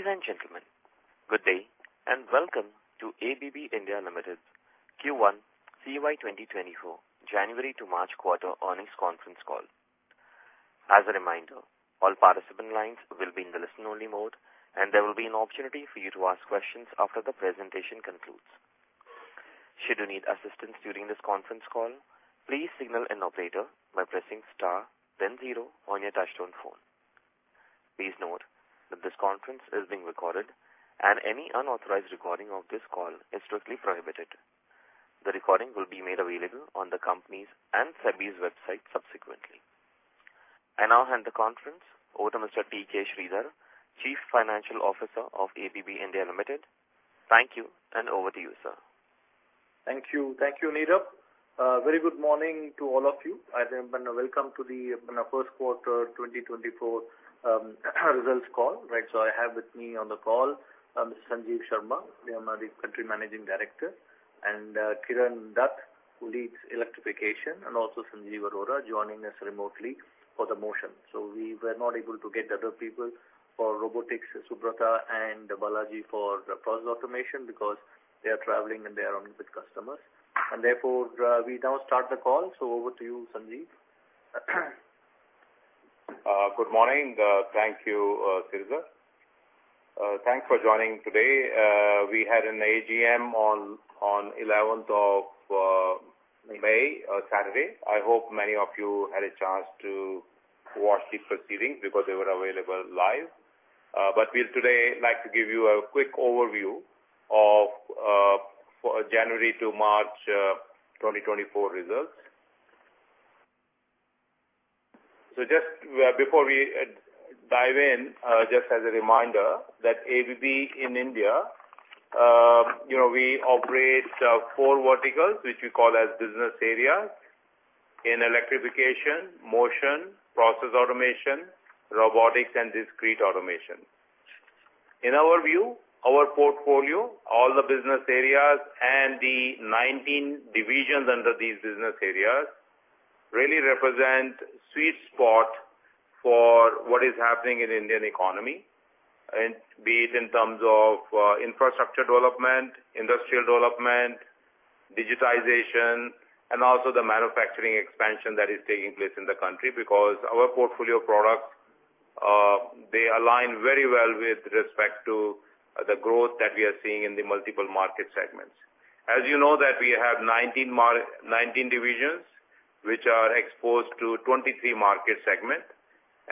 Ladies and gentlemen, good day and welcome to ABB India Limited's Q1 CY 2024 January to March quarter earnings conference call. As a reminder, all participant lines will be in the listen-only mode, and there will be an opportunity for you to ask questions after the presentation concludes. Should you need assistance during this conference call, please signal an operator by pressing star then 0 on your touchtone phone. Please note that this conference is being recorded, and any unauthorized recording of this call is strictly prohibited. The recording will be made available on the company's and SEBI's website subsequently. I now hand the conference over to Mr. T.K. Sridhar, Chief Financial Officer of ABB India Limited. Thank you, and over to you, sir. Thank you, Neerav. Very good morning to all of you. Welcome to the Q1 2024 results call. I have with me on the call Mr. Sanjeev Sharma, the Country Managing Director, and Kiran Dutt, who leads Electrification, and also Sanjeev Arora joining us remotely for the Motion. We were not able to get other people for Robotics, Subrata and Balaji, for Process Automation because they are traveling and they are on with customers. And therefore, we now start the call. Over to you, Sanjeev. Good morning. Thank you, Sridhar. Thanks for joining today. We had an AGM on 11th of May, Saturday. I hope many of you had a chance to watch the proceedings because they were available live. But we'd today like to give you a quick overview of January to March 2024 results. So just before we dive in, just as a reminder that ABB in India, we operate four verticals, which we call as business areas: in Electrification, Motion, Process Automation, Robotics, and discrete automation. In our view, our portfolio, all the business areas, and the 19 divisions under these business areas really represent a sweet spot for what is happening in the Indian economy, be it in terms of infrastructure development, industrial development, digitization, and also the manufacturing expansion that is taking place in the country because our portfolio products, they align very well with respect to the growth that we are seeing in the multiple market segments. As you know that we have 19 divisions which are exposed to 23 market segments,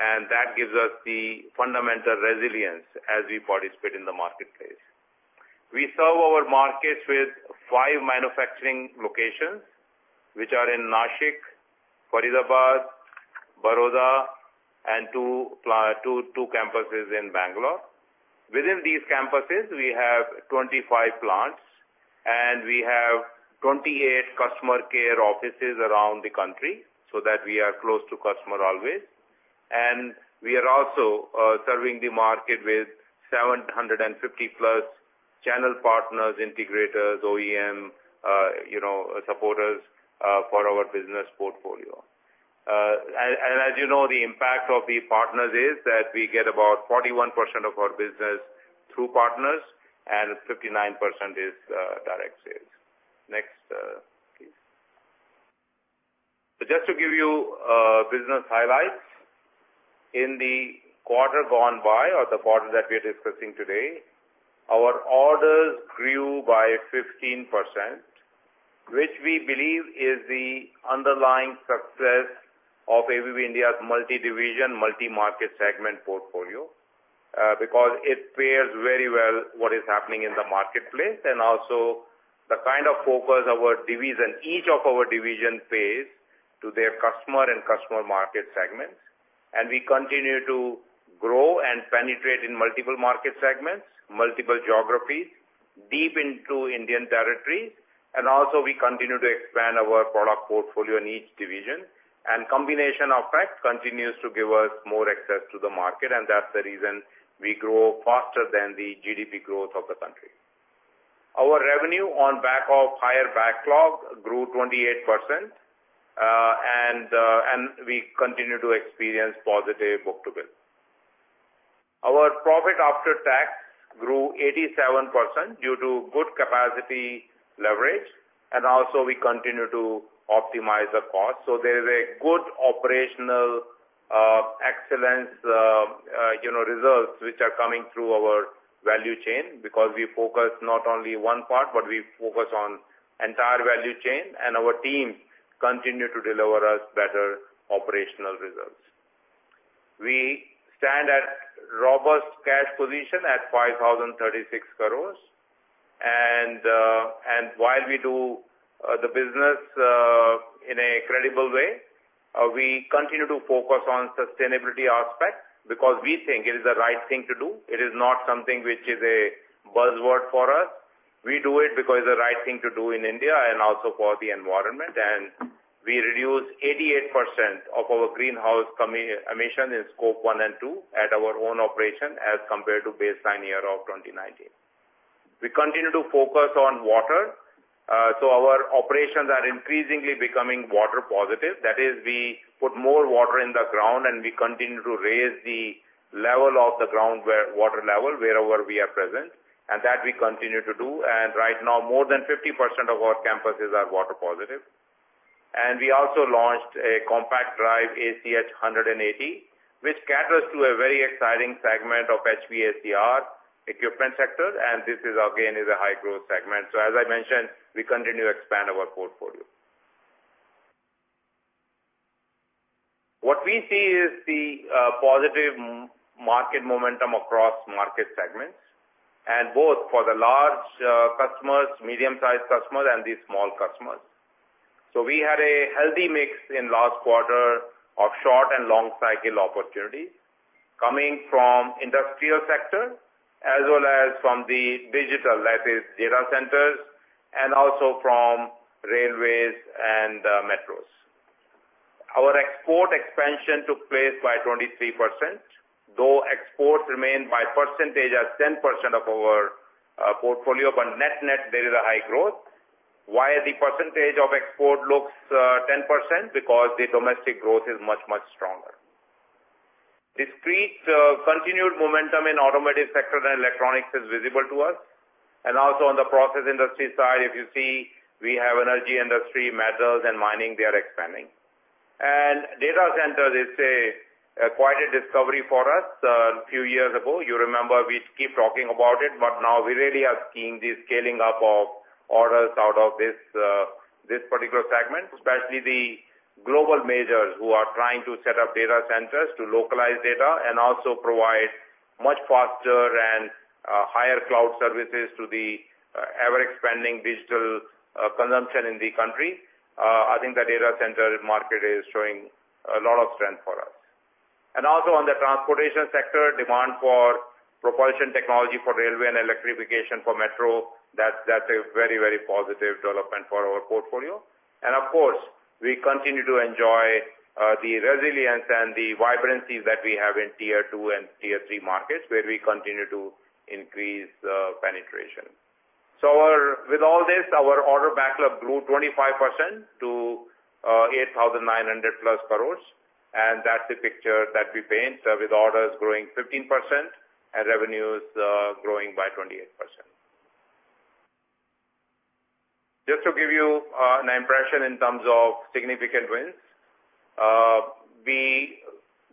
and that gives us the fundamental resilience as we participate in the marketplace. We serve our markets with 5 manufacturing locations, which are in Nashik, Faridabad, Baroda, and 2 campuses in Bangalore. Within these campuses, we have 25 plants, and we have 28 customer care offices around the country so that we are close to customer always. We are also serving the market with 750+ channel partners, integrators, OEM supporters for our business portfolio. As you know, the impact of the partners is that we get about 41% of our business through partners, and 59% is direct sales. Next, please. Just to give you business highlights, in the quarter gone by or the quarter that we are discussing today, our orders grew by 15%, which we believe is the underlying success of ABB India's multi-division, multi-market segment portfolio because it pairs very well what is happening in the marketplace and also the kind of focus each of our divisions pays to their customer and customer market segments. We continue to grow and penetrate in multiple market segments, multiple geographies, deep into Indian territories, and also we continue to expand our product portfolio in each division. Combination of that continues to give us more access to the market, and that's the reason we grow faster than the GDP growth of the country. Our revenue on back of higher backlog grew 28%, and we continue to experience positive book-to-bill. Our profit after tax grew 87% due to good capacity leverage, and also we continue to optimize the cost. So there is a good operational excellence results which are coming through our value chain because we focus not only one part, but we focus on the entire value chain, and our teams continue to deliver us better operational results. We stand at a robust cash position at 5,036 crores. And while we do the business in a credible way, we continue to focus on the sustainability aspect because we think it is the right thing to do. It is not something which is a buzzword for us. We do it because it's the right thing to do in India and also for the environment. We reduce 88% of our greenhouse emissions in Scope 1 and 2 at our own operation as compared to baseline year of 2019. We continue to focus on water. Our operations are increasingly becoming water-positive. That is, we put more water in the ground, and we continue to raise the level of the groundwater level wherever we are present, and that we continue to do. Right now, more than 50% of our campuses are water-positive. We also launched a compact drive, ACH180, which caters to a very exciting segment of HVACR equipment sector, and this again is a high-growth segment. As I mentioned, we continue to expand our portfolio. What we see is the positive market momentum across market segments, and both for the large customers, medium-sized customers, and the small customers. We had a healthy mix in last quarter of short and long-cycle opportunities coming from the industrial sector as well as from the digital, that is, data centers, and also from railways and metros. Our export expansion took place by 23%, though exports remain by percentage at 10% of our portfolio, but net-net, there is a high growth. Why the percentage of export looks 10%? Because the domestic growth is much, much stronger. Discrete continued momentum in the automotive sector and electronics is visible to us. Also on the process industry side, if you see, we have the energy industry, metals, and mining. They are expanding. Data centers is quite a discovery for us a few years ago. You remember, we keep talking about it, but now we really are seeing the scaling up of orders out of this particular segment, especially the global majors who are trying to set up data centers to localize data and also provide much faster and higher cloud services to the ever-expanding digital consumption in the country. I think the data center market is showing a lot of strength for us. Also on the transportation sector, demand for propulsion technology for railway and electrification for metro, that's a very, very positive development for our portfolio. Of course, we continue to enjoy the resilience and the vibrancy that we have in Tier 2 and Tier 3 markets where we continue to increase penetration. With all this, our order backlog grew 25% to 8,900+ crores, and that's the picture that we paint with orders growing 15% and revenues growing by 28%. Just to give you an impression in terms of significant wins,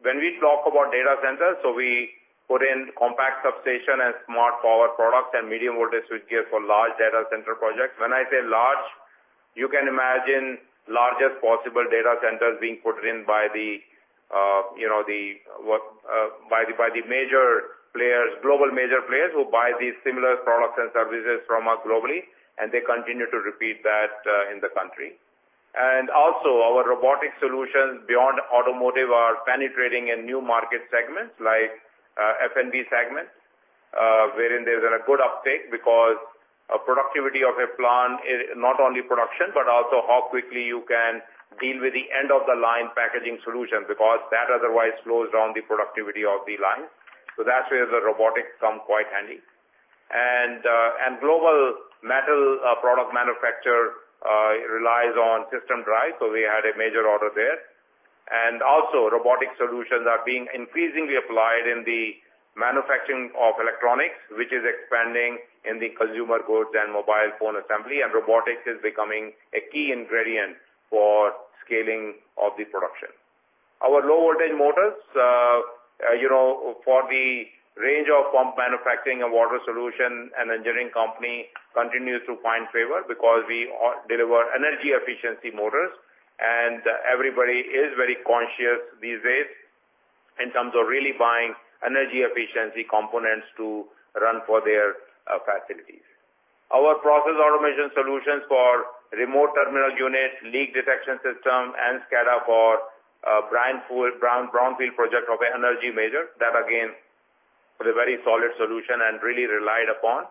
when we talk about data centers, so we put in compact substation and smart power products and medium-voltage switchgears for large data center projects. When I say large, you can imagine the largest possible data centers being put in by the major players, global major players who buy these similar products and services from us globally, and they continue to repeat that in the country. And also, our robotic solutions beyond automotive are penetrating in new market segments like the F&B segment wherein there's a good uptake because the productivity of a plant is not only production but also how quickly you can deal with the end-of-the-line packaging solution because that otherwise slows down the productivity of the line. So that's where the robotics come quite handy. Global metal product manufacture relies on system drives, so we had a major order there. Also, robotic solutions are being increasingly applied in the manufacturing of electronics, which is expanding in the consumer goods and mobile phone assembly, and robotics is becoming a key ingredient for scaling of the production. Our low-voltage motors, for the range of pump manufacturing and water solutions, an engineering company continues to find favor because we deliver energy-efficiency motors, and everybody is very conscious these days in terms of really buying energy-efficiency components to run for their facilities. Our process automation solutions for remote terminal units, leak detection systems, and SCADA for the Brownfield project of an energy major, that again is a very solid solution and really relied upon.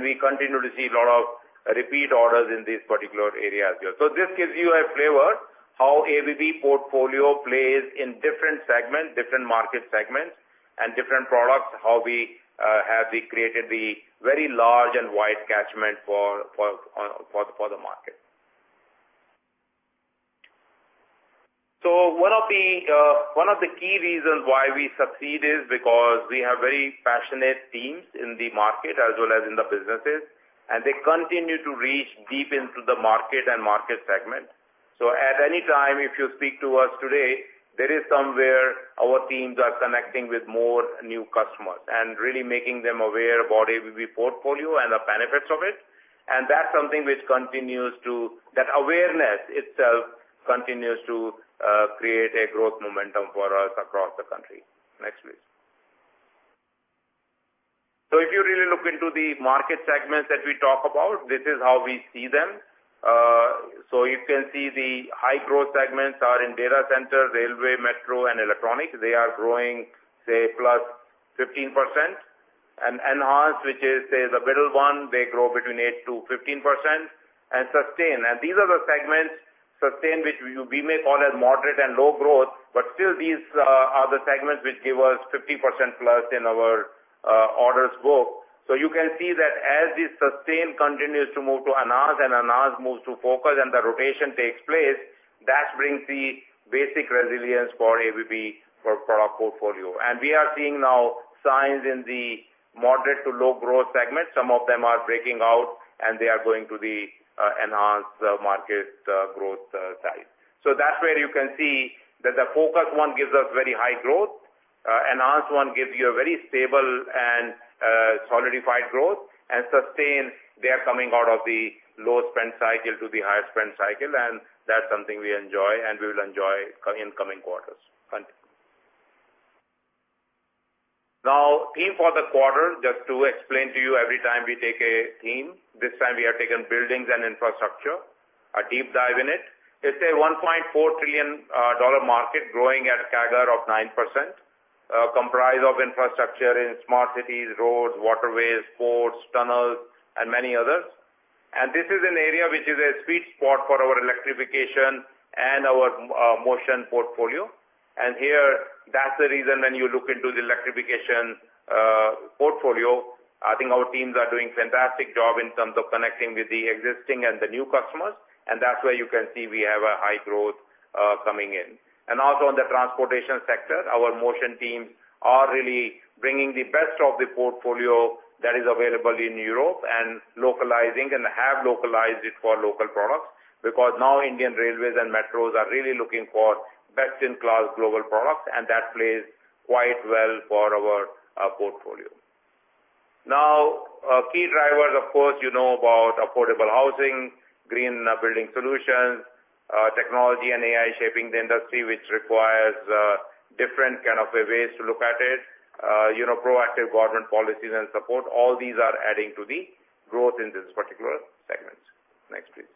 We continue to see a lot of repeat orders in these particular areas here. So this gives you a flavor of how ABB's portfolio plays in different segments, different market segments, and different products, how we have created the very large and wide catchment for the market. So one of the key reasons why we succeed is because we have very passionate teams in the market as well as in the businesses, and they continue to reach deep into the market and market segment. So at any time, if you speak to us today, there is somewhere our teams are connecting with more new customers and really making them aware of our ABB portfolio and the benefits of it. And that's something which continues to that awareness itself continues to create a growth momentum for us across the country. Next, please. So if you really look into the market segments that we talk about, this is how we see them. So you can see the high-growth segments are in data centers, railway, metro, and electronics. They are growing, say, +15%. And enhanced, which is, say, the middle one, they grow between 8%-15%, and sustain. And these are the segments, sustain, which we may call as moderate and low-growth, but still, these are the segments which give us 50%-plus in our orders book. So you can see that as the sustain continues to move to enhance and enhance moves to focus and the rotation takes place, that brings the basic resilience for ABB's product portfolio. And we are seeing now signs in the moderate to low-growth segments. Some of them are breaking out, and they are going to the enhanced market growth side. So that's where you can see that the focused one gives us very high growth. The enhanced one gives you a very stable and solidified growth. Sustain, they are coming out of the low-spend cycle to the higher-spend cycle, and that's something we enjoy, and we will enjoy in coming quarters. Now, the theme for the quarter, just to explain to you, every time we take a theme, this time we have taken buildings and infrastructure, a deep dive in it. It's a $1.4 trillion market growing at a CAGR of 9%, comprised of infrastructure in smart cities, roads, waterways, ports, tunnels, and many others. This is an area which is a sweet spot for our Electrification and our Motion portfolio. And here, that's the reason when you look into the Electrification portfolio, I think our teams are doing a fantastic job in terms of connecting with the existing and the new customers, and that's where you can see we have a high growth coming in. And also on the transportation sector, our Motion teams are really bringing the best of the portfolio that is available in Europe and localizing and have localized it for local products because now Indian Railways and metros are really looking for best-in-class global products, and that plays quite well for our portfolio. Now, key drivers, of course, you know about affordable housing, green building solutions, technology and AI shaping the industry, which requires different kinds of ways to look at it, proactive government policies and support. All these are adding to the growth in these particular segments. Next, please.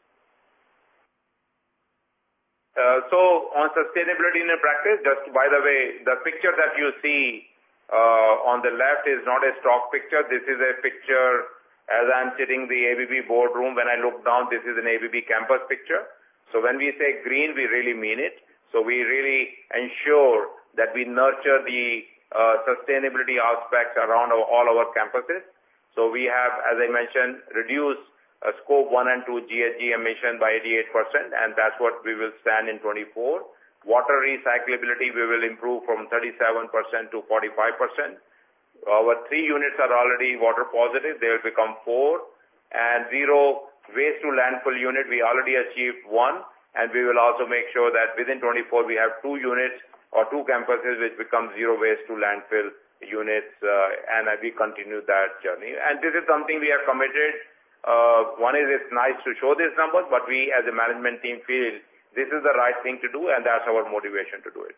So on sustainability in practice, just by the way, the picture that you see on the left is not a stock picture. This is a picture as I'm sitting in the ABB boardroom. When I look down, this is an ABB campus picture. So when we say green, we really mean it. So we really ensure that we nurture the sustainability aspects around all our campuses. So we have, as I mentioned, reduced Scope 1 and 2 GHG emissions by 88%, and that's what we will stand in 2024. Water recyclability, we will improve from 37%-45%. Our three units are already water-positive. They will become four. And zero waste-to-landfill units, we already achieved one, and we will also make sure that within 2024, we have two units or two campuses which become zero waste-to-landfill units, and we continue that journey. And this is something we have committed. One is, it's nice to show these numbers, but we, as a management team, feel this is the right thing to do, and that's our motivation to do it.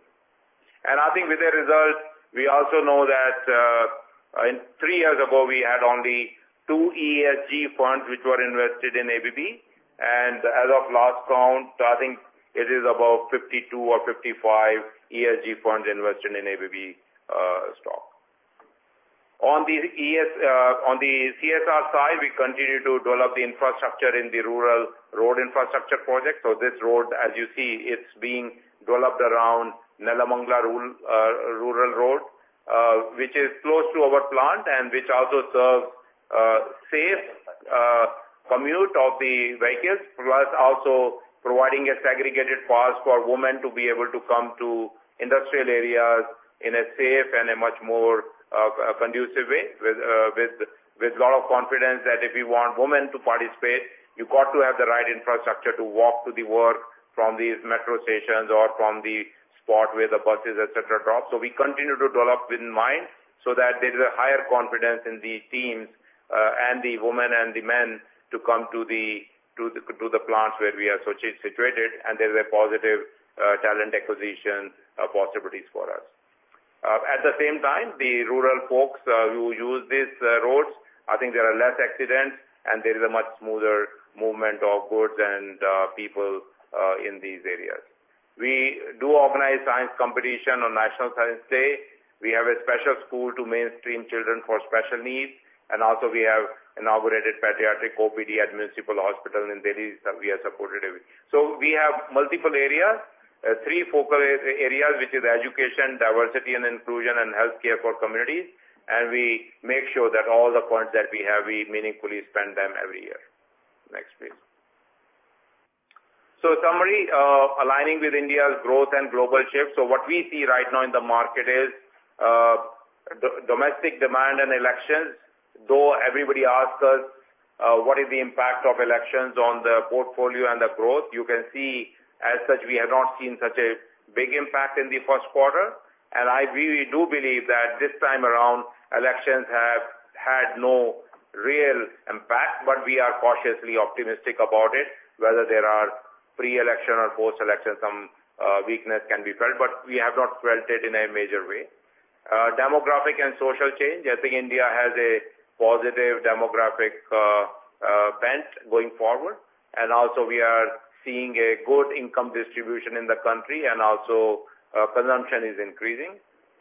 I think with the results, we also know that three years ago, we had only two ESG funds which were invested in ABB, and as of last count, I think it is about 52 or 55 ESG funds invested in ABB stock. On the CSR side, we continue to develop the infrastructure in the rural road infrastructure project. So this road, as you see, it's being developed around Nelamangala Rural Road, which is close to our plant and which also serves safe commute of the vehicles plus also providing a segregated pass for women to be able to come to industrial areas in a safe and a much more conducive way with a lot of confidence that if you want women to participate, you've got to have the right infrastructure to walk to the work from these metro stations or from the spot where the buses, etcetera., drop. We continue to develop with mind so that there is a higher confidence in the teams and the women and the men to come to the plants where we are situated, and there is a positive talent acquisition possibility for us. At the same time, the rural folks who use these roads, I think there are less accidents, and there is a much smoother movement of goods and people in these areas. We do organize science competitions on National Science Day. We have a special school to mainstream children for special needs, and also we have inaugurated a paediatric OPD, a municipal hospital in Delhi that we have supported every so we have multiple areas, three focal areas which are education, diversity and inclusion, and healthcare for communities, and we make sure that all the funds that we have, we meaningfully spend them every year. Next, please. So summary, aligning with India's growth and global shift. So what we see right now in the market is domestic demand and elections. Though everybody asks us, "What is the impact of elections on the portfolio and the growth?" you can see, as such, we have not seen such a big impact in the Q1. We do believe that this time around, elections have had no real impact, but we are cautiously optimistic about it. Whether there are pre-election or post-election, some weakness can be felt, but we have not felt it in a major way. Demographic and social change, I think, India has a positive demographic bent going forward, and also we are seeing a good income distribution in the country, and also consumption is increasing.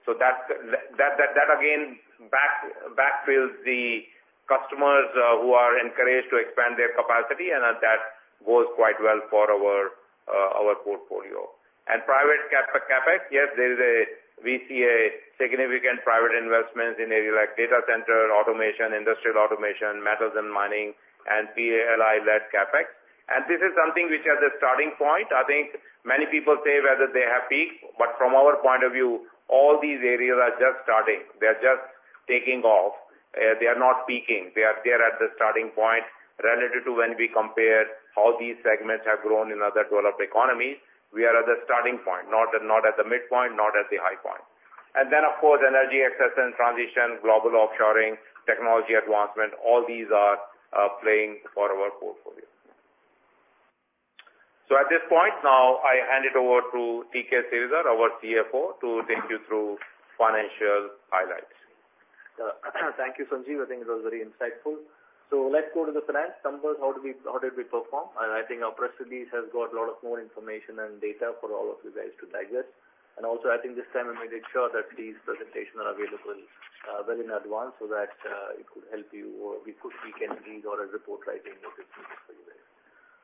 So that, again, backfills the customers who are encouraged to expand their capacity, and that goes quite well for our portfolio. Private CAPEX, yes, we see significant private investments in areas like data center automation, industrial automation, metals and mining, and PLI-led CAPEX. This is something which is the starting point. I think many people say whether they have peaked, but from our point of view, all these areas are just starting. They are just taking off. They are not peaking. They are at the starting point relative to when we compare how these segments have grown in other developed economies. We are at the starting point, not at the midpoint, not at the high point. And then, of course, energy access and transition, global offshoring, technology advancement, all these are playing for our portfolio. So at this point now, I hand it over to T.K. Sridhar, our CFO, to take you through financial highlights. Thank you, Sanjeev. I think it was very insightful. So let's go to the finance numbers. How did we perform? And I think our press release has got a lot of more information and data for all of you guys to digest. And also, I think this time we made it sure that these presentations are available well in advance so that it could help you or we can do our report writing if it's needed for you guys.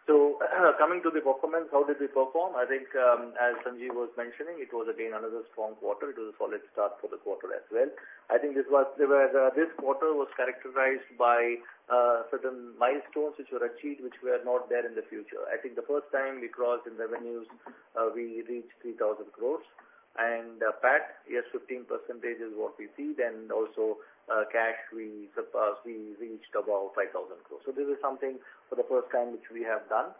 So coming to the performance, how did we perform? I think, as Sanjeev was mentioning, it was, again, another strong quarter. It was a solid start for the quarter as well. I think this quarter was characterized by certain milestones which were achieved which were not there in the future. I think the first time we crossed in revenues, we reached 3,000 crore. PBIT, yes, 15% is what we saw, and also cash, we reached about 5,000 crores. So this is something for the first time which we have done.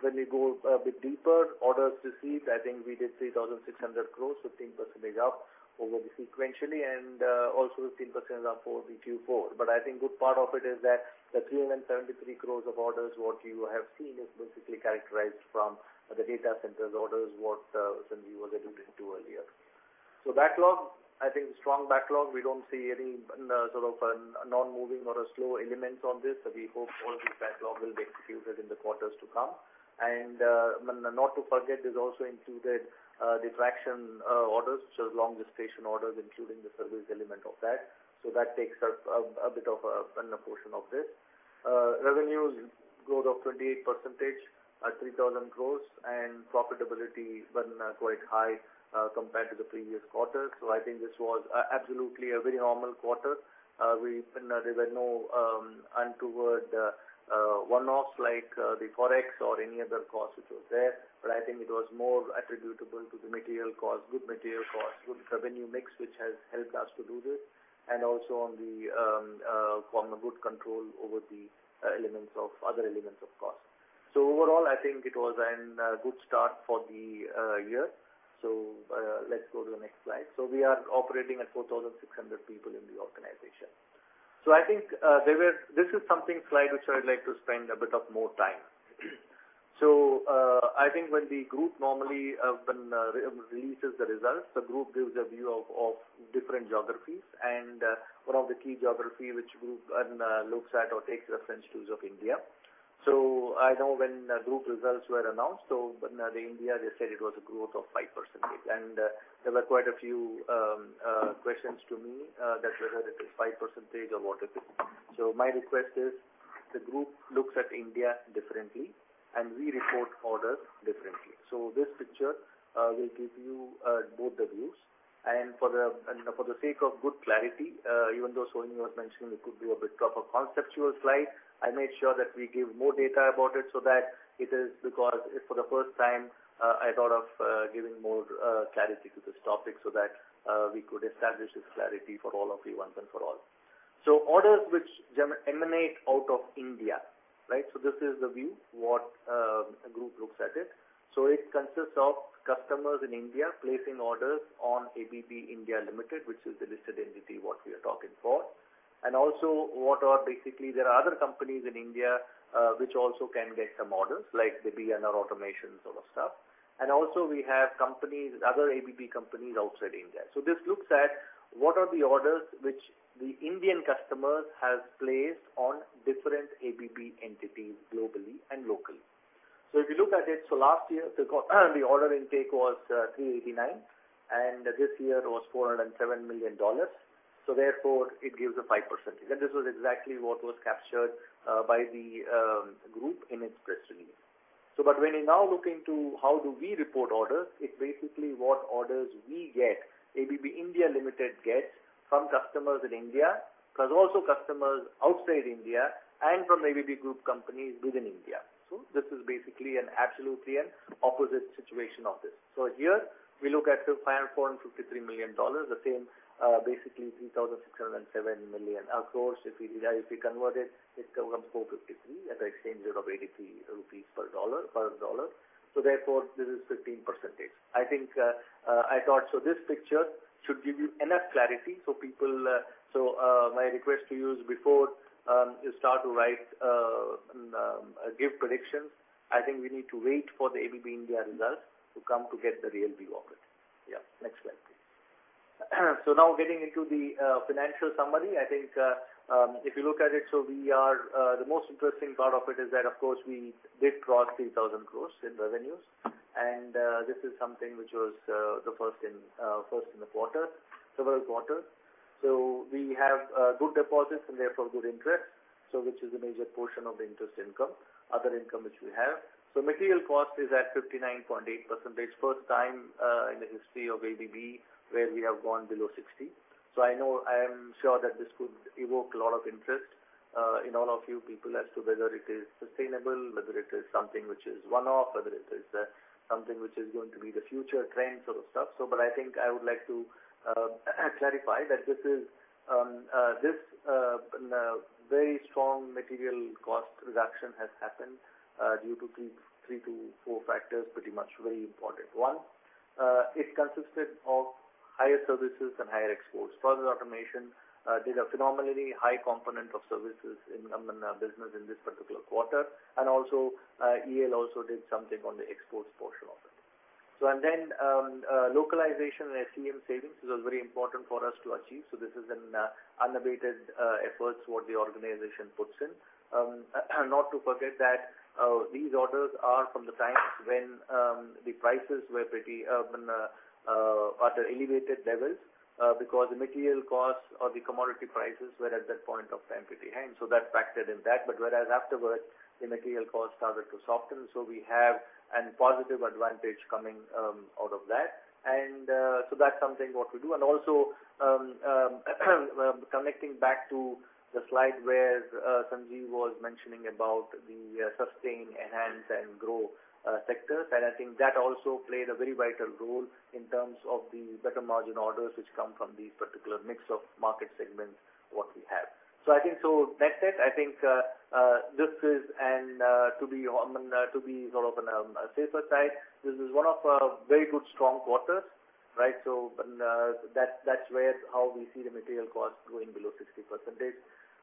When we go a bit deeper, orders received, I think we did 3,600 crores, 15% up over the sequential, and also 15% up for the Q4. But I think a good part of it is that the 373 crores of orders, what you have seen is basically coming from the data center orders, what Sanjeev was alluding to earlier. So backlog, I think a strong backlog. We don't see any sort of non-moving or slow elements on this, so we hope all of these backlogs will be executed in the quarters to come. Not to forget, there's also included traction orders, which are long-distance station orders, including the service element of that. So that takes a bit of a portion of this. Revenues growth of 28%, 3,000 crores, and profitability been quite high compared to the previous quarter. So I think this was absolutely a very normal quarter. There were no untoward one-offs like the Forex or any other cost which was there, but I think it was more attributable to the material cost, good material cost, good revenue mix which has helped us to do this, and also on the good control over the elements of other elements of cost. So overall, I think it was a good start for the year. So let's go to the next slide. So we are operating at 4,600 people in the organization. So I think this is something slide which I would like to spend a bit of more time. So I think when the group normally releases the results, the group gives a view of different geographies, and one of the key geographies which the group looks at or takes reference to is India. So I know when the group results were announced, so in India, they said it was a growth of 5%. And there were quite a few questions to me that whether it is 5% or what it is. So my request is the group looks at India differently, and we report orders differently. So this picture will give you both the views. And for the sake of good clarity, even though Sohini was mentioning it could be a bit of a conceptual slide, I made sure that we give more data about it so that it is because for the first time, I thought of giving more clarity to this topic so that we could establish this clarity for all of you once and for all. So orders which emanate out of India, right? So this is the view, what a group looks at it. So it consists of customers in India placing orders on ABB India Limited, which is the listed entity what we are talking for, and also what are basically there are other companies in India which also can get some orders like the B&R Automation sort of stuff. And also, we have other ABB companies outside India. So this looks at what are the orders which the Indian customers have placed on different ABB entities globally and locally. So if you look at it, so last year, the order intake was $389 million, and this year was $407 million. So therefore, it gives a 5%. And this was exactly what was captured by the group in its press release. But when you now look into how do we report orders, it's basically what orders we get, ABB India Limited gets, from customers in India because also customers outside India and from ABB group companies within India. So this is basically an absolutely opposite situation of this. So here, we look at the $453 million, the same basically 3,607 million crores. If you convert it, it becomes $453 million at the exchange rate of 83 rupees per dollar. So therefore, this is 15%. I thought so this picture should give you enough clarity. So my request to you is before you start to write and give predictions, I think we need to wait for the ABB India results to come to get the real view of it. Yeah. Next slide, please. So now getting into the financial summary, I think if you look at it, so the most interesting part of it is that, of course, we did cross 3,000 crores in revenues, and this is something which was the first in the quarter, several quarters. So we have good deposits and therefore good interest, which is a major portion of the other income which we have. So material cost is at 59.8%, first time in the history of ABB where we have gone below 60%. So I am sure that this could evoke a lot of interest in all of you people as to whether it is sustainable, whether it is something which is one-off, whether it is something which is going to be the future trend sort of stuff. But I think I would like to clarify that this very strong material cost reduction has happened due to 3-4 factors, pretty much very important. One, it consisted of higher services and higher exports. Process automation did a phenomenally high component of services in business in this particular quarter, and EL also did something on the exports portion of it. And then localization and SCM savings was very important for us to achieve. So this is an unabated effort what the organization puts in. Not to forget that these orders are from the times when the prices were pretty at elevated levels because the material costs or the commodity prices were at that point of time pretty high, and so that factored in that. But whereas afterwards, the material cost started to soften, so we have a positive advantage coming out of that. And so that's something what we do. And also connecting back to the slide where Sanjeev was mentioning about the sustain, enhance, and grow sectors, and I think that also played a very vital role in terms of the better margin orders which come from this particular mix of market segments what we have. So I think so that's it. I think this is and to be sort of on a safer side, this is one of very good strong quarters, right? So that's how we see the material cost going below 60%.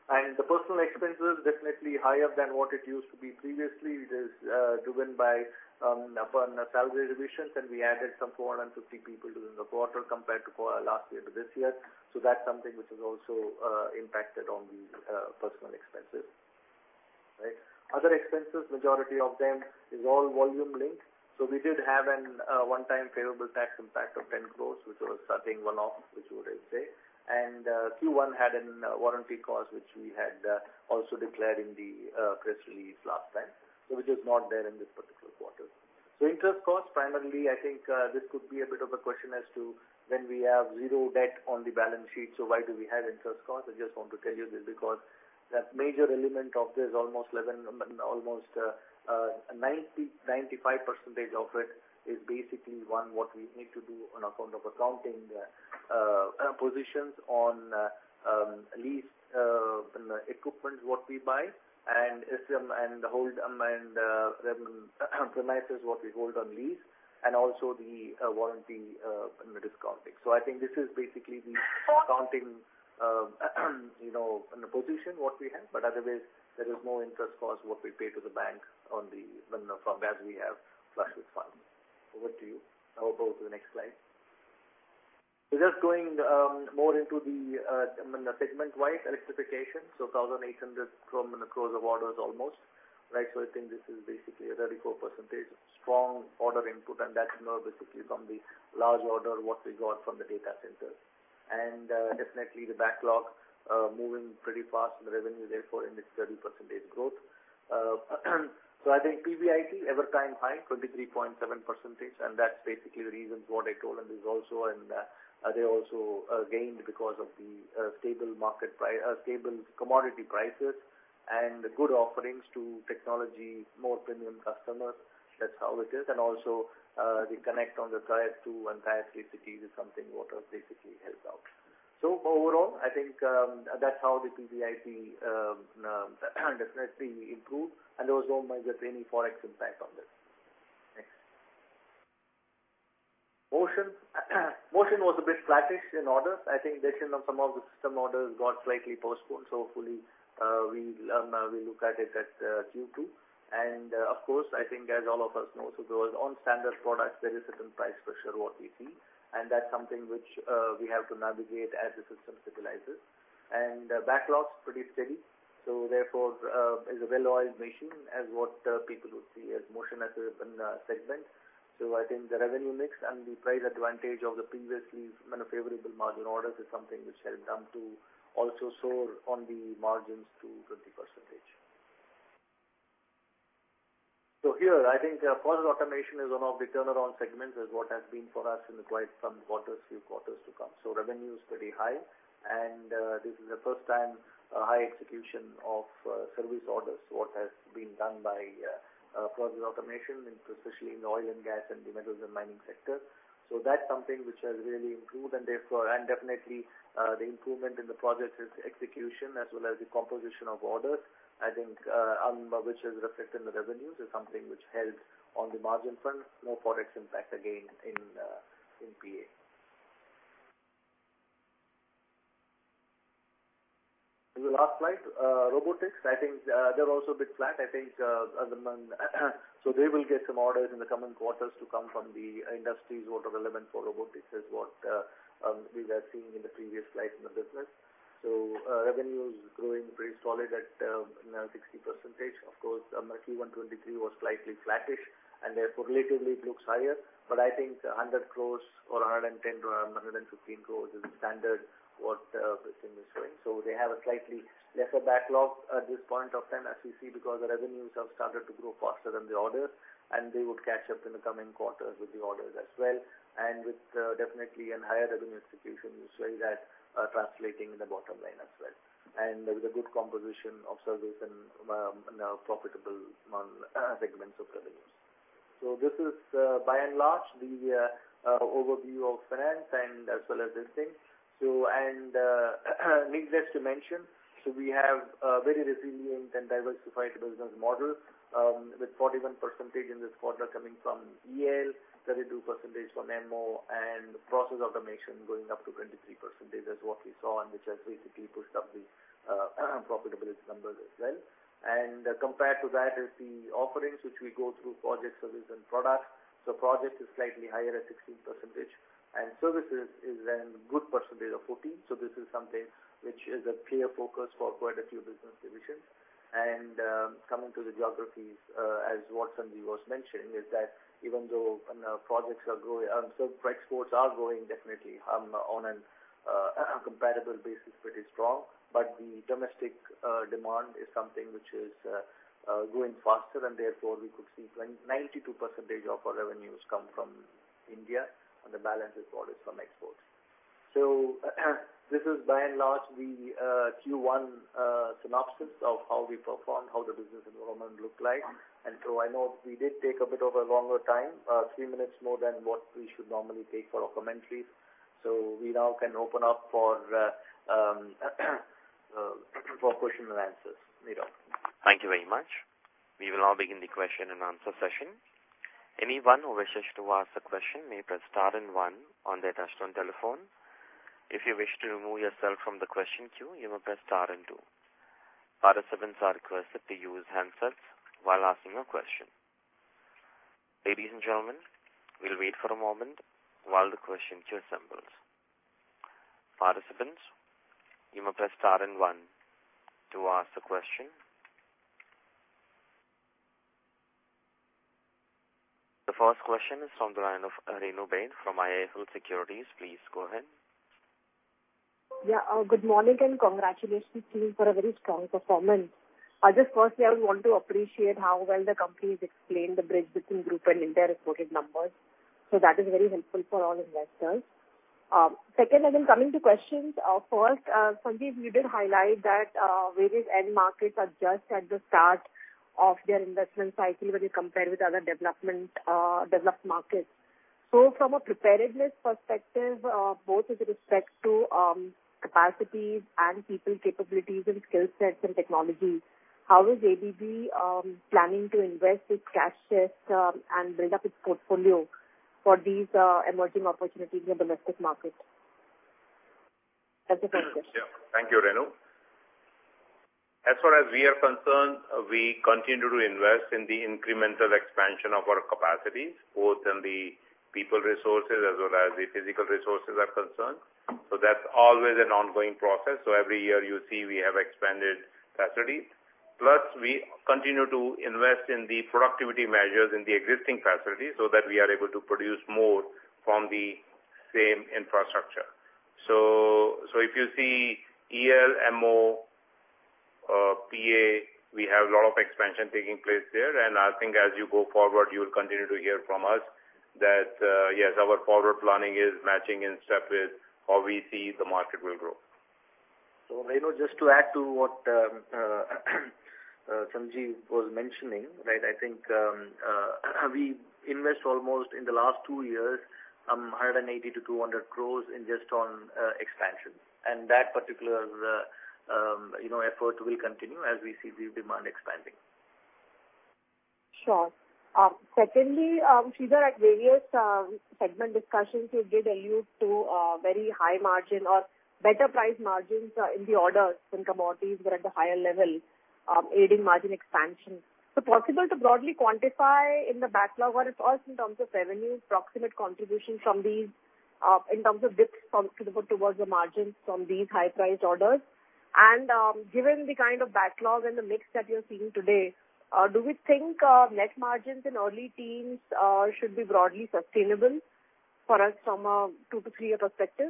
And the personnel expenses are definitely higher than what it used to be previously. It is driven by upward salary revisions, and we added some 450 people during the quarter compared to last year to this year. So that's something which has also impacted on the personnel expenses, right? Other expenses, majority of them is all volume-linked. So we did have a one-time payable tax impact of 10 crore, which was, I think, one-off, which would I say. And Q1 had a warranty cost which we had also declared in the press release last time, which is not there in this particular quarter. So interest costs, primarily, I think this could be a bit of a question as to when we have zero debt on the balance sheet, so why do we have interest costs? I just want to tell you this because that major element of this almost 95% of it is basically, one, what we need to do on account of accounting positions on lease equipment what we buy and hold and remind the prices what we hold on lease and also the warranty and the discounting. So I think this is basically the accounting position what we have. But otherwise, there is no interest cost what we pay to the bank from as we have flush with funds. Over to you. I hope we'll go to the next slide. So just going more into the segment-wise, Electrification, so 1,800 crores of orders almost, right? So I think this is basically a 34% strong order input, and that's more basically from the large order what we got from the data center. Definitely, the backlog moving pretty fast in revenue, therefore, in its 30% growth. So I think PBIT, all-time high, 23.7%, and that's basically the reasons what I told. And they also gained because of the stable commodity prices and good offerings to technology, more premium customers. That's how it is. And also, the connect on the Tier 2 and Tier 3 cities is something what has basically helped out. So overall, I think that's how the PBIT definitely improved, and there was no major any Forex impact on this. Next. Motion. Motion was a bit flattish in orders. I think some of the system orders got slightly postponed. So hopefully, we look at it at Q2. And of course, I think as all of us know, so there was non-standard products. There is a certain price for sure what we see, and that's something which we have to navigate as the system stabilizes. Backlog's pretty steady. So therefore, it's a well-oiled machine as what people would see as Motion as a segment. So I think the revenue mix and the price advantage of the previously favorable margin orders is something which has done to also soar on the margins to 20%. So here, I think Process Automation is one of the turnaround segments as what has been for us in quite some quarters, few quarters to come. So revenue's pretty high, and this is the first time a high execution of service orders what has been done by Process Automation, especially in the oil and gas and the metals and mining sector. So that's something which has really improved, and definitely, the improvement in the project's execution as well as the composition of orders, I think which is reflected in the revenues, is something which helped on the margin front, no Forex impact again in PA. And the last slide, robotics. I think they're also a bit flat. I think so they will get some orders in the coming quarters to come from the industries what are relevant for robotics is what we were seeing in the previous slides in the business. So revenue's growing pretty solid at 60%. Of course, Q123 was slightly flattish, and therefore, relatively, it looks higher. But I think 100 crores or 110 crores or 115 crores is standard what the thing is showing. They have a slightly lesser backlog at this point of time as we see because the revenues have started to grow faster than the orders, and they would catch up in the coming quarters with the orders as well. Definitely, in higher revenue execution, you see that translating in the bottom line as well and with a good composition of service and profitable segments of revenues. This is, by and large, the overview of finance and as well as listing. Needless to mention, we have a very resilient and diversified business model with 41% in this quarter coming from EL, 32% from MO, and Process Automation going up to 23% as what we saw and which has basically pushed up the profitability numbers as well. Compared to that is the offerings which we go through, projects, service, and products. So projects are slightly higher at 16%, and services is then a good percentage of 14%. So this is something which is a clear focus for quite a few business divisions. And coming to the geographies, as what Sanjeev was mentioning, is that even though projects are growing so exports are growing, definitely, on a comparable basis, pretty strong. But the domestic demand is something which is going faster, and therefore, we could see 92% of our revenues come from India, and the balance is what is from exports. So this is, by and large, the Q1 synopsis of how we performed, how the business environment looked like. And so I know we did take a bit of a longer time, three minutes more than what we should normally take for our commentaries. So we now can open up for questions and answers. Neerav. Thank you very much. We will now begin the question-and-answer session. Anyone who wishes to ask a question may press star and one on their touch-tone telephone. If you wish to remove yourself from the question queue, you may press star and two. Participants are requested to use handsets while asking a question. Ladies and gentlemen, we'll wait for a moment while the question queue assembles. Participants, you may press star and one to ask a question. The first question is from the line of Renu Baid from IIFL Securities. Please go ahead. Yeah. Good morning and congratulations, team, for a very strong performance. Just firstly, I would want to appreciate how well the company has explained the bridge between group and India reported numbers. So that is very helpful for all investors. Second, again, coming to questions, first, Sanjeev, you did highlight that various end markets are just at the start of their investment cycle when you compare with other developed markets. So from a preparedness perspective, both with respect to capacities and people capabilities and skill sets and technology, how is ABB planning to invest its cash yield and build up its portfolio for these emerging opportunities in the domestic market? That's the first question. Yeah. Thank you, Renu. As far as we are concerned, we continue to invest in the incremental expansion of our capacities, both in the people resources as well as the physical resources are concerned. So that's always an ongoing process. So every year, you see we have expanded facilities. Plus, we continue to invest in the productivity measures in the existing facilities so that we are able to produce more from the same infrastructure. So if you see EL, MO, PA, we have a lot of expansion taking place there. And I think as you go forward, you will continue to hear from us that, yes, our forward planning is matching in step with how we see the market will grow. Renu, just to add to what Sanjeev was mentioning, right, I think we invest almost in the last two years, 180 crore-200 crore in just on expansion. That particular effort will continue as we see the demand expanding. Sure. Secondly, Sridhar, at various segment discussions, you did allude to very high margin or better price margins in the orders when commodities were at the higher level, aiding margin expansion. So possible to broadly quantify in the backlog or, if at all, in terms of revenue, approximate contribution from these in terms of dips towards the margins from these high-priced orders? And given the kind of backlog and the mix that you're seeing today, do we think net margins in early teens should be broadly sustainable for us from a two to three-year perspective?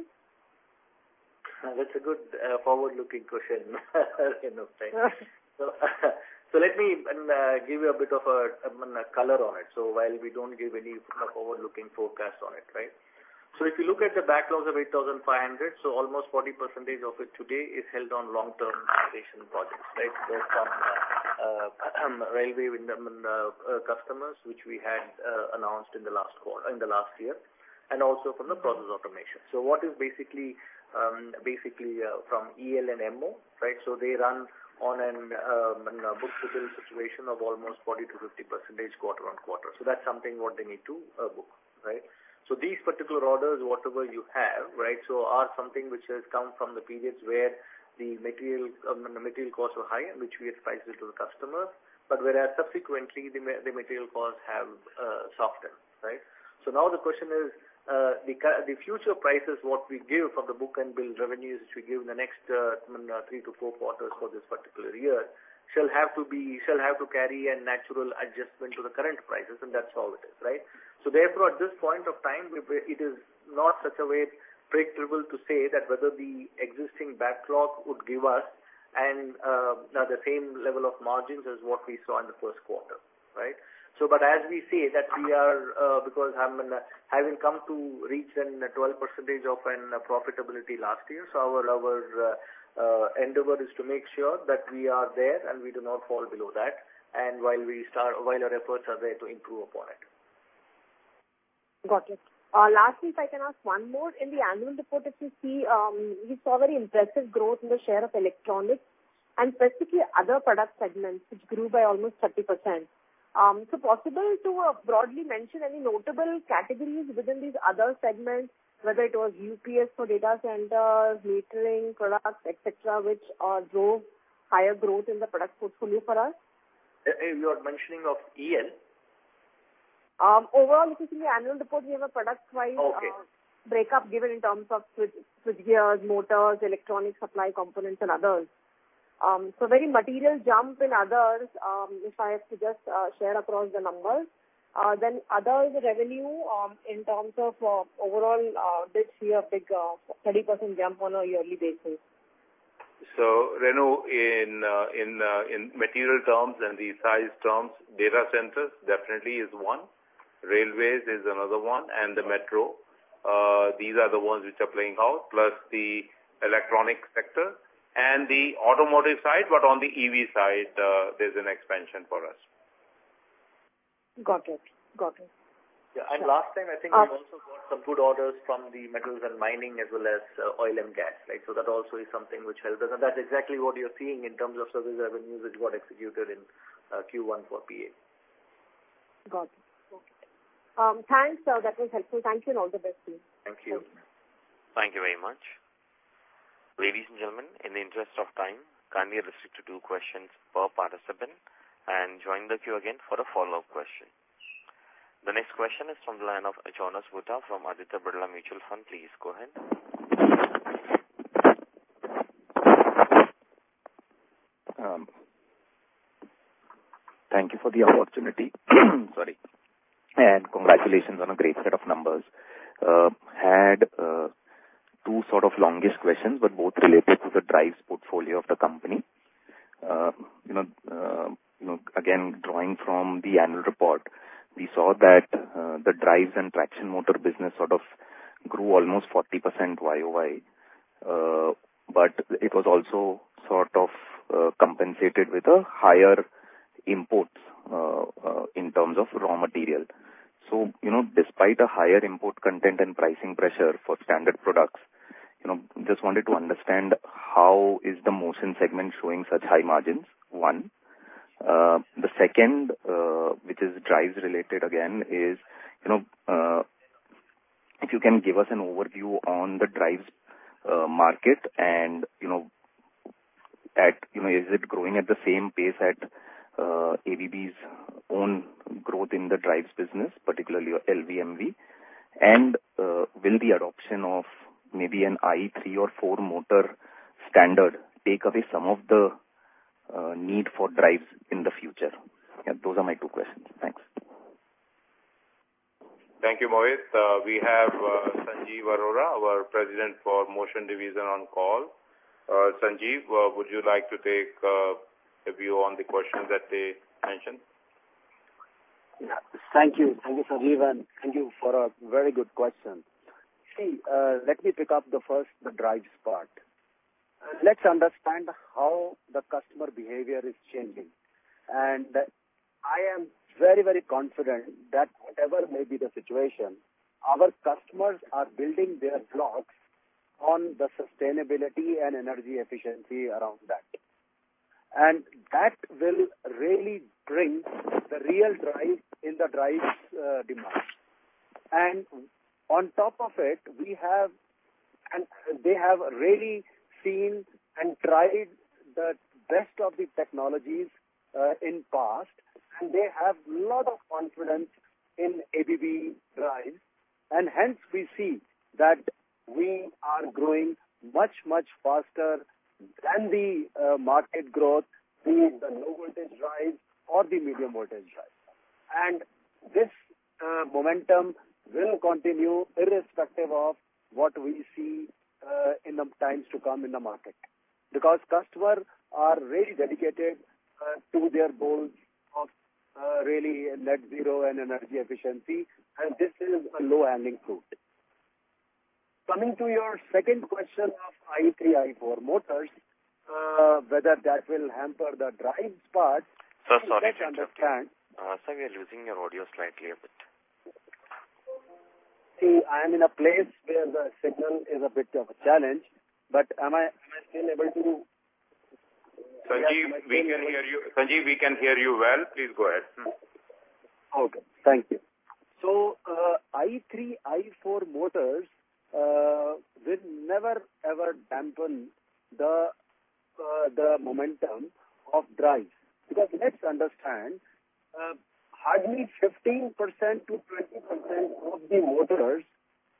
That's a good forward-looking question, Reno. Thanks. So let me give you a bit of a color on it while we don't give any forward-looking forecast on it, right? So if you look at the backlog of 8,500, so almost 40% of it today is held on long-term operation projects, right, both from railway customers which we had announced in the last year and also from the Process Automation. So what is basically from EL and MO, right? So they run on a book-to-bill situation of almost 40%-50% quarter-over-quarter. So that's something what they need to book, right? So these particular orders, whatever you have, right, so are something which has come from the periods where the material costs were high and which we had priced it to the customer, but whereas subsequently, the material costs have softened, right? So now the question is, the future prices what we give from the book-to-bill revenues which we give in the next 3-4 quarters for this particular year shall have to carry a natural adjustment to the current prices, and that's all it is, right? So therefore, at this point of time, it is not such a way predictable to say that whether the existing backlog would give us the same level of margins as what we saw in the Q1, right? But as we see that we are because I'm having come to reach then a 12% of profitability last year. So our end of it is to make sure that we are there and we do not fall below that while our efforts are there to improve upon it. Got it. Lastly, if I can ask one more. In the annual report, if you see, we saw very impressive growth in the share of electronics and specifically other product segments which grew by almost 30%. So possible to broadly mention any notable categories within these other segments, whether it was UPS for data centers, metering products, etc., which drove higher growth in the product portfolio for us? You are mentioning of EL? Overall, if you see the annual report, we have a product-wise breakup given in terms of switchgears, motors, electronic supply components, and others. So very material jump in others, if I have to just share across the numbers. Then others, revenue in terms of overall, did see a big 30% jump on a yearly basis. So, Renu, in material terms and the size terms, data centers definitely is one. Railways is another one, and the metro. These are the ones which are playing out plus the electronic sector and the automotive side, but on the EV side, there's an expansion for us. Got it. Got it. Yeah. And last time, I think we also got some good orders from the metals and mining as well as oil and gas, right? So that also is something which helped us. And that's exactly what you're seeing in terms of service revenues which got executed in Q1 for PA. Got it. Okay. Thanks. That was helpful. Thank you, and all the best, team. Thank you. Thank you very much. Ladies and gentlemen, in the interest of time, kindly restrict to two questions per participant and join the queue again for a follow-up question. The next question is from the line of Jonas Bhutta from Aditya Birla Sun Life AMC. Please go ahead. Thank you for the opportunity. Sorry. Congratulations on a great set of numbers. Had two sort of longest questions, but both related to the drives portfolio of the company. Again, drawing from the annual report, we saw that the drives and traction motor business sort of grew almost 40% year-over-year, but it was also sort of compensated with higher imports in terms of raw material. So despite a higher import content and pricing pressure for standard products, just wanted to understand how is the motion segment showing such high margins, one. The second, which is drives-related again, is if you can give us an overview on the drives market and is it growing at the same pace at ABB's own growth in the drives business, particularly LV/MV? Will the adoption of maybe an IE3 or IE4 motor standard take away some of the need for drives in the future? Yeah. Those are my two questions. Thanks. Thank you, Mohit. We have Sanjeev Arora, our President for Motion division, on call. Sanjeev, would you like to take a view on the questions that they mentioned? Yeah. Thank you. Thank you, Sanjeev, and thank you for a very good question. See, let me pick up the first, the drives part. Let's understand how the customer behavior is changing. And I am very, very confident that whatever may be the situation, our customers are building their blocks on the sustainability and energy efficiency around that. And that will really bring the real drive in the drives demand. And on top of it, they have really seen and tried the best of the technologies in the past, and they have a lot of confidence in ABB drives. And hence, we see that we are growing much, much faster than the market growth with the low-voltage drives or the medium-voltage drives. This momentum will continue irrespective of what we see in the times to come in the market because customers are really dedicated to their goals of really Net Zero and energy efficiency, and this is a low-hanging fruit. Coming to your second question of IE3, IE4 motors, whether that will hamper the drives part, let's understand. Sorry. Sorry. Sorry. We are losing your audio slightly a bit. See, I am in a place where the signal is a bit of a challenge, but am I still able to? Sanjeev, we can hear you. Sanjeev, we can hear you well. Please go ahead. Okay. Thank you. So IE3, IE4 motors will never, ever dampen the momentum of drives because let's understand, hardly 15%-20% of the motors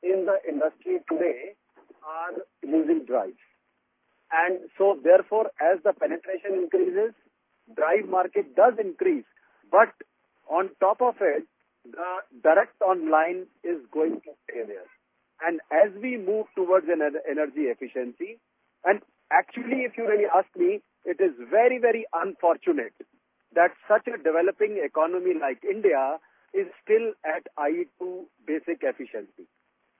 in the industry today are using drives. And so therefore, as the penetration increases, the drive market does increase. But on top of it, the direct online is going to stay there. And as we move towards energy efficiency and actually, if you really ask me, it is very, very unfortunate that such a developing economy like India is still at IE2 basic efficiency.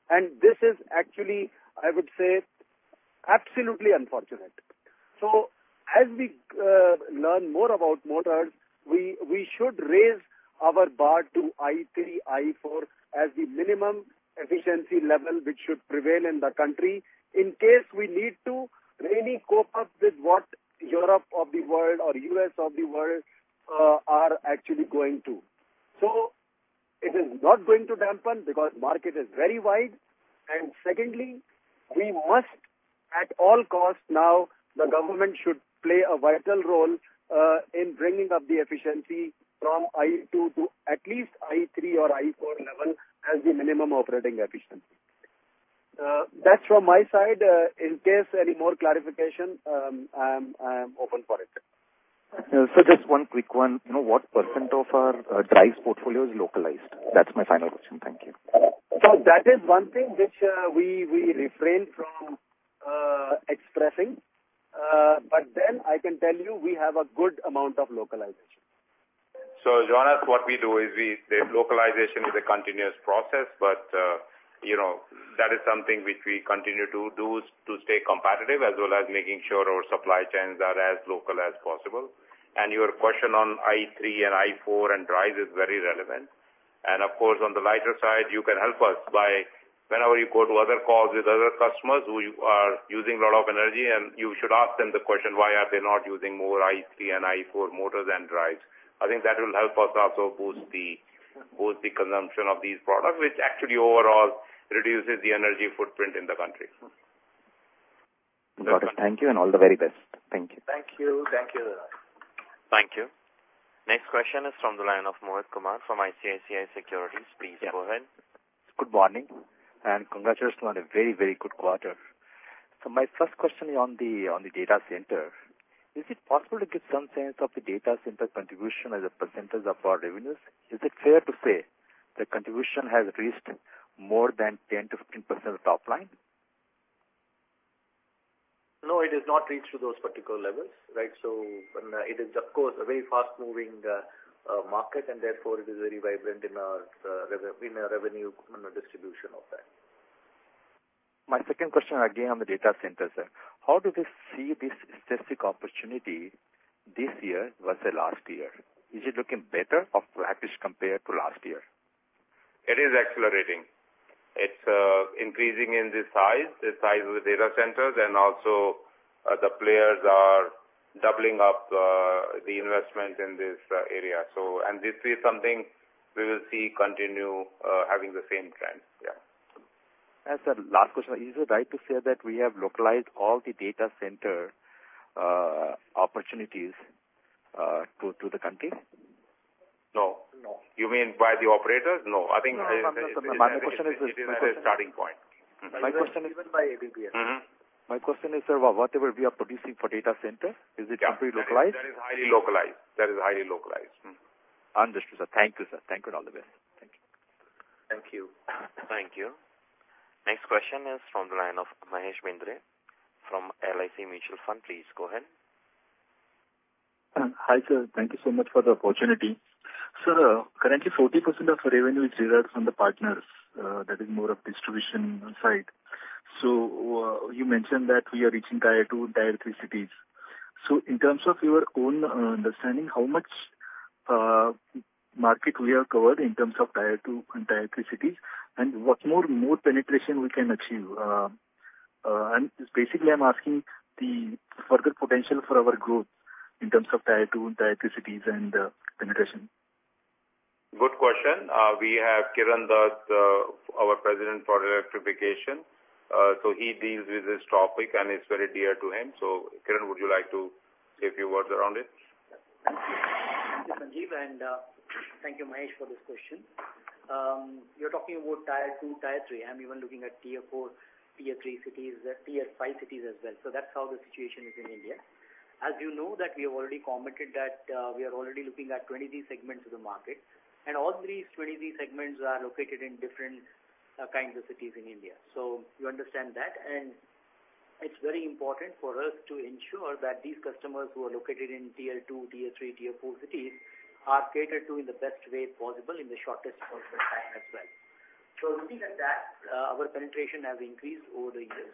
And this is actually, I would say, absolutely unfortunate. So as we learn more about motors, we should raise our bar to IE3, IE4 as the minimum efficiency level which should prevail in the country in case we need to really cope up with what Europe of the world or US of the world are actually going to. So it is not going to dampen because the market is very wide. Secondly, we must at all costs now, the government should play a vital role in bringing up the efficiency from IE2 to at least IE3 or IE4 level as the minimum operating efficiency. That's from my side. In case any more clarification, I'm open for it. So just one quick one. What % of our drives portfolio is localized? That's my final question. Thank you. That is one thing which we refrain from expressing. But then I can tell you, we have a good amount of localization. So, Jonas, what we do is localization is a continuous process, but that is something which we continue to do to stay competitive as well as making sure our supply chains are as local as possible. Your question on IE3 and IE4 and drives is very relevant. Of course, on the lighter side, you can help us by whenever you go to other calls with other customers who are using a lot of energy, and you should ask them the question, "Why are they not using more IE3 and IE4 motors and drives?" I think that will help us also boost the consumption of these products, which actually overall reduces the energy footprint in the country. Got it. Thank you and all the very best. Thank you. Thank you. Thank you, Neerav. Thank you. Next question is from the line of Mohit Kumar from ICICI Securities. Please go ahead. Yes. Good morning and congratulations on a very, very good quarter. My first question is on the data center. Is it possible to give some sense of the data center contribution as a percentage of our revenues? Is it fair to say the contribution has reached more than 10%-15% of the top line? No, it has not reached to those particular levels, right? So it is, of course, a very fast-moving market, and therefore, it is very vibrant in our revenue distribution of that. My second question again on the data center side. How do we see this strategic opportunity this year versus last year? Is it looking better or flat compared to last year? It is accelerating. It's increasing in the size, the size of the data centers, and also the players are doubling up the investment in this area. And this is something we will see continue having the same trend. Yeah. As a last question, is it right to say that we have localized all the data center opportunities to the country? No. No. You mean by the operators? No. I think. No, no, no. My question is the starting point. My question is. Even by ABB's. Mm-hmm. My question is, sir, whatever we are producing for data center, is it completely localized? Yeah. That is highly localized. That is highly localized. Understood, sir. Thank you, sir. Thank you and all the best. Thank you. Thank you. Thank you. Next question is from the line of Mahesh Bendre from LIC Mutual Fund. Please go ahead. Hi, sir. Thank you so much for the opportunity. Sir, currently, 40% of our revenue is derived from the partners. That is more of distribution side. So you mentioned that we are reaching Tier 2, Tier 3 cities. So in terms of your own understanding, how much market we have covered in terms of Tier 2 and Tier 3 cities and what more penetration we can achieve? And basically, I'm asking the further potential for our growth in terms of Tier 2 and Tier 3 cities and penetration. Good question. We have Kiran Dutt, our President for Electrification. So he deals with this topic, and it's very dear to him. So Kiran, would you like to say a few words around it? Thank you, Sanjeev, and thank you, Mahesh, for this question. You're talking about Tier 2, Tier 3. I'm even looking at Tier 4, Tier 3 cities, Tier 5 cities as well. So that's how the situation is in India. As you know that we have already commented that we are already looking at 20+ segments of the market. And all these 20+ segments are located in different kinds of cities in India. So you understand that. And it's very important for us to ensure that these customers who are located in Tier 2, Tier 3, Tier 4 cities are catered to in the best way possible in the shortest possible time as well. So looking at that, our penetration has increased over the years.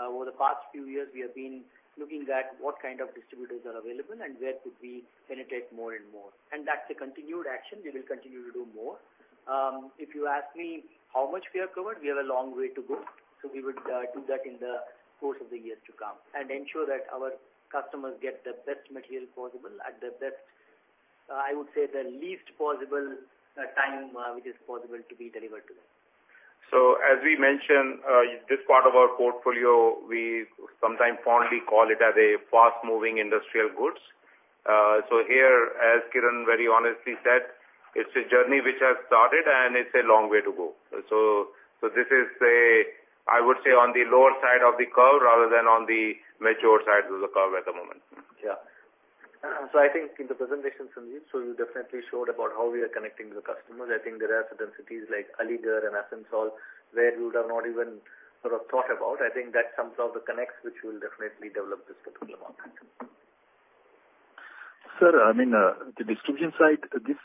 Over the past few years, we have been looking at what kind of distributors are available and where could we penetrate more and more. That's a continued action. We will continue to do more. If you ask me how much we have covered, we have a long way to go. We would do that in the course of the years to come and ensure that our customers get the best material possible at the best, I would say, the least possible time which is possible to be delivered to them. As we mentioned, this part of our portfolio, we sometimes fondly call it as a fast-moving industrial goods. So here, as Kiran very honestly said, it's a journey which has started, and it's a long way to go. So this is, I would say, on the lower side of the curve rather than on the mature side of the curve at the moment. Yeah. So I think in the presentation, Sanjeev, so you definitely showed about how we are connecting with the customers. I think there are certain cities like Haldia and Asansol where you have not even sort of thought about. I think that's some of the connects which will definitely develop this particular market. Sir, I mean, the distribution side, this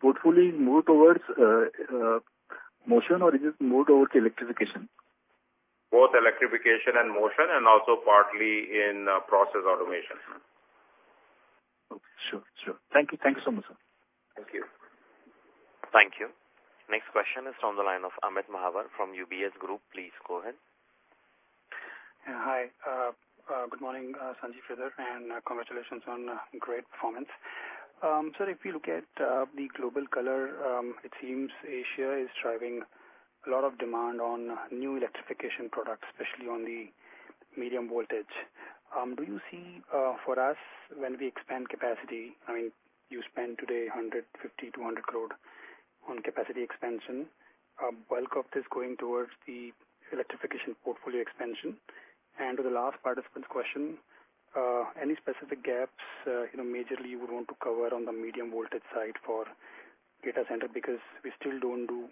portfolio is moved towards Motion, or is it moved towards Electrification? Both electrification and motion and also partly in process automation. Okay. Sure. Sure. Thank you. Thank you so much, sir. Thank you. Thank you. Next question is from the line of Amit Mahawar from UBS Group. Please go ahead. Hi. Good morning, Sanjeev, Sridhar, and congratulations on great performance. Sir, if we look at the global color, it seems Asia is driving a lot of demand on new electrification products, especially on the medium voltage. Do you see for us when we expand capacity? I mean, you spend today 150-200 crore on capacity expansion. A bulk of this going towards the electrification portfolio expansion. To the last participant's question, any specific gaps majorly you would want to cover on the medium voltage side for data center because we still don't do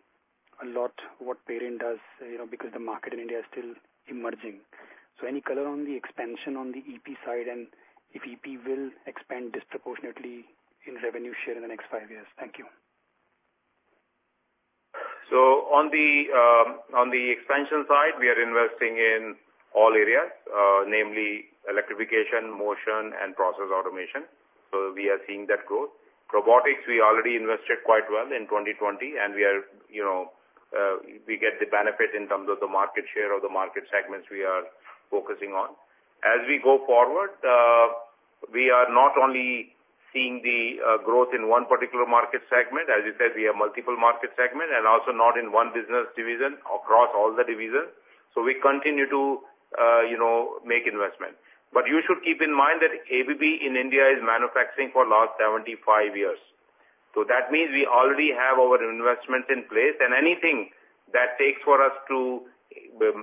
a lot what Parent does because the market in India is still emerging. So any color on the expansion on the EP side and if EP will expand disproportionately in revenue share in the next five years? Thank you. So on the expansion side, we are investing in all areas, namely electrification, motion, and process automation. So we are seeing that growth. Robotics, we already invested quite well in 2020, and we get the benefit in terms of the market share of the market segments we are focusing on. As we go forward, we are not only seeing the growth in one particular market segment. As you said, we have multiple market segments and also not in one business division across all the divisions. So we continue to make investment. But you should keep in mind that ABB in India is manufacturing for the last 75 years. So that means we already have our investments in place, and anything that takes for us to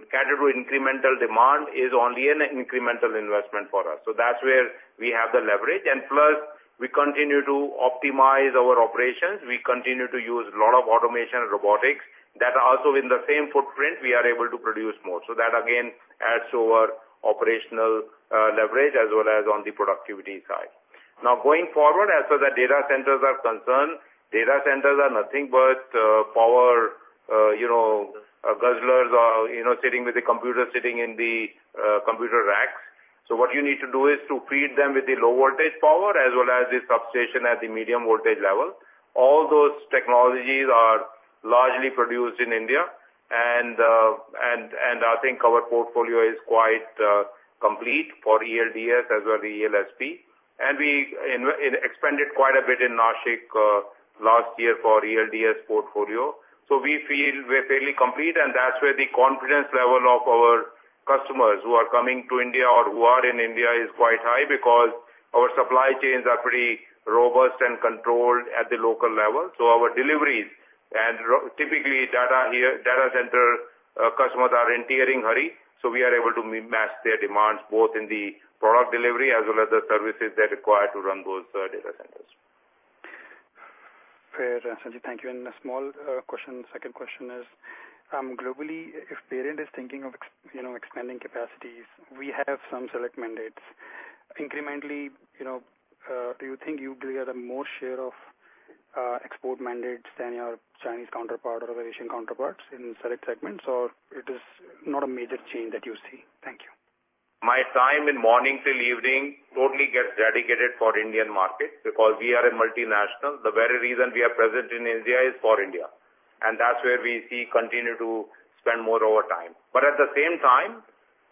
cater to incremental demand is only an incremental investment for us. So that's where we have the leverage. Plus, we continue to optimize our operations. We continue to use a lot of automation and robotics that also in the same footprint, we are able to produce more. So that, again, adds to our operational leverage as well as on the productivity side. Now, going forward, as for the data centers are concerned, data centers are nothing but power guzzlers sitting with the computer sitting in the computer racks. So what you need to do is to feed them with the low voltage power as well as the substation at the medium voltage level. All those technologies are largely produced in India, and I think our portfolio is quite complete for ELDS as well as ELSP. And we expanded quite a bit in Nashik last year for ELDS portfolio. So we feel we're fairly complete, and that's where the confidence level of our customers who are coming to India or who are in India is quite high because our supply chains are pretty robust and controlled at the local level. So our deliveries and typically, data center customers are in tearing hurry, so we are able to match their demands both in the product delivery as well as the services that are required to run those data centers. Fair, Sanjeev. Thank you. And a small second question is, globally, if Perin is thinking of expanding capacities, we have some select mandates. Incrementally, do you think you will get a more share of export mandates than your Chinese counterpart or the Asian counterparts in select segments, or it is not a major change that you see? Thank you. My time in morning till evening totally gets dedicated for Indian market because we are a multinational. The very reason we are present in India is for India, and that's where we see continue to spend more of our time. But at the same time,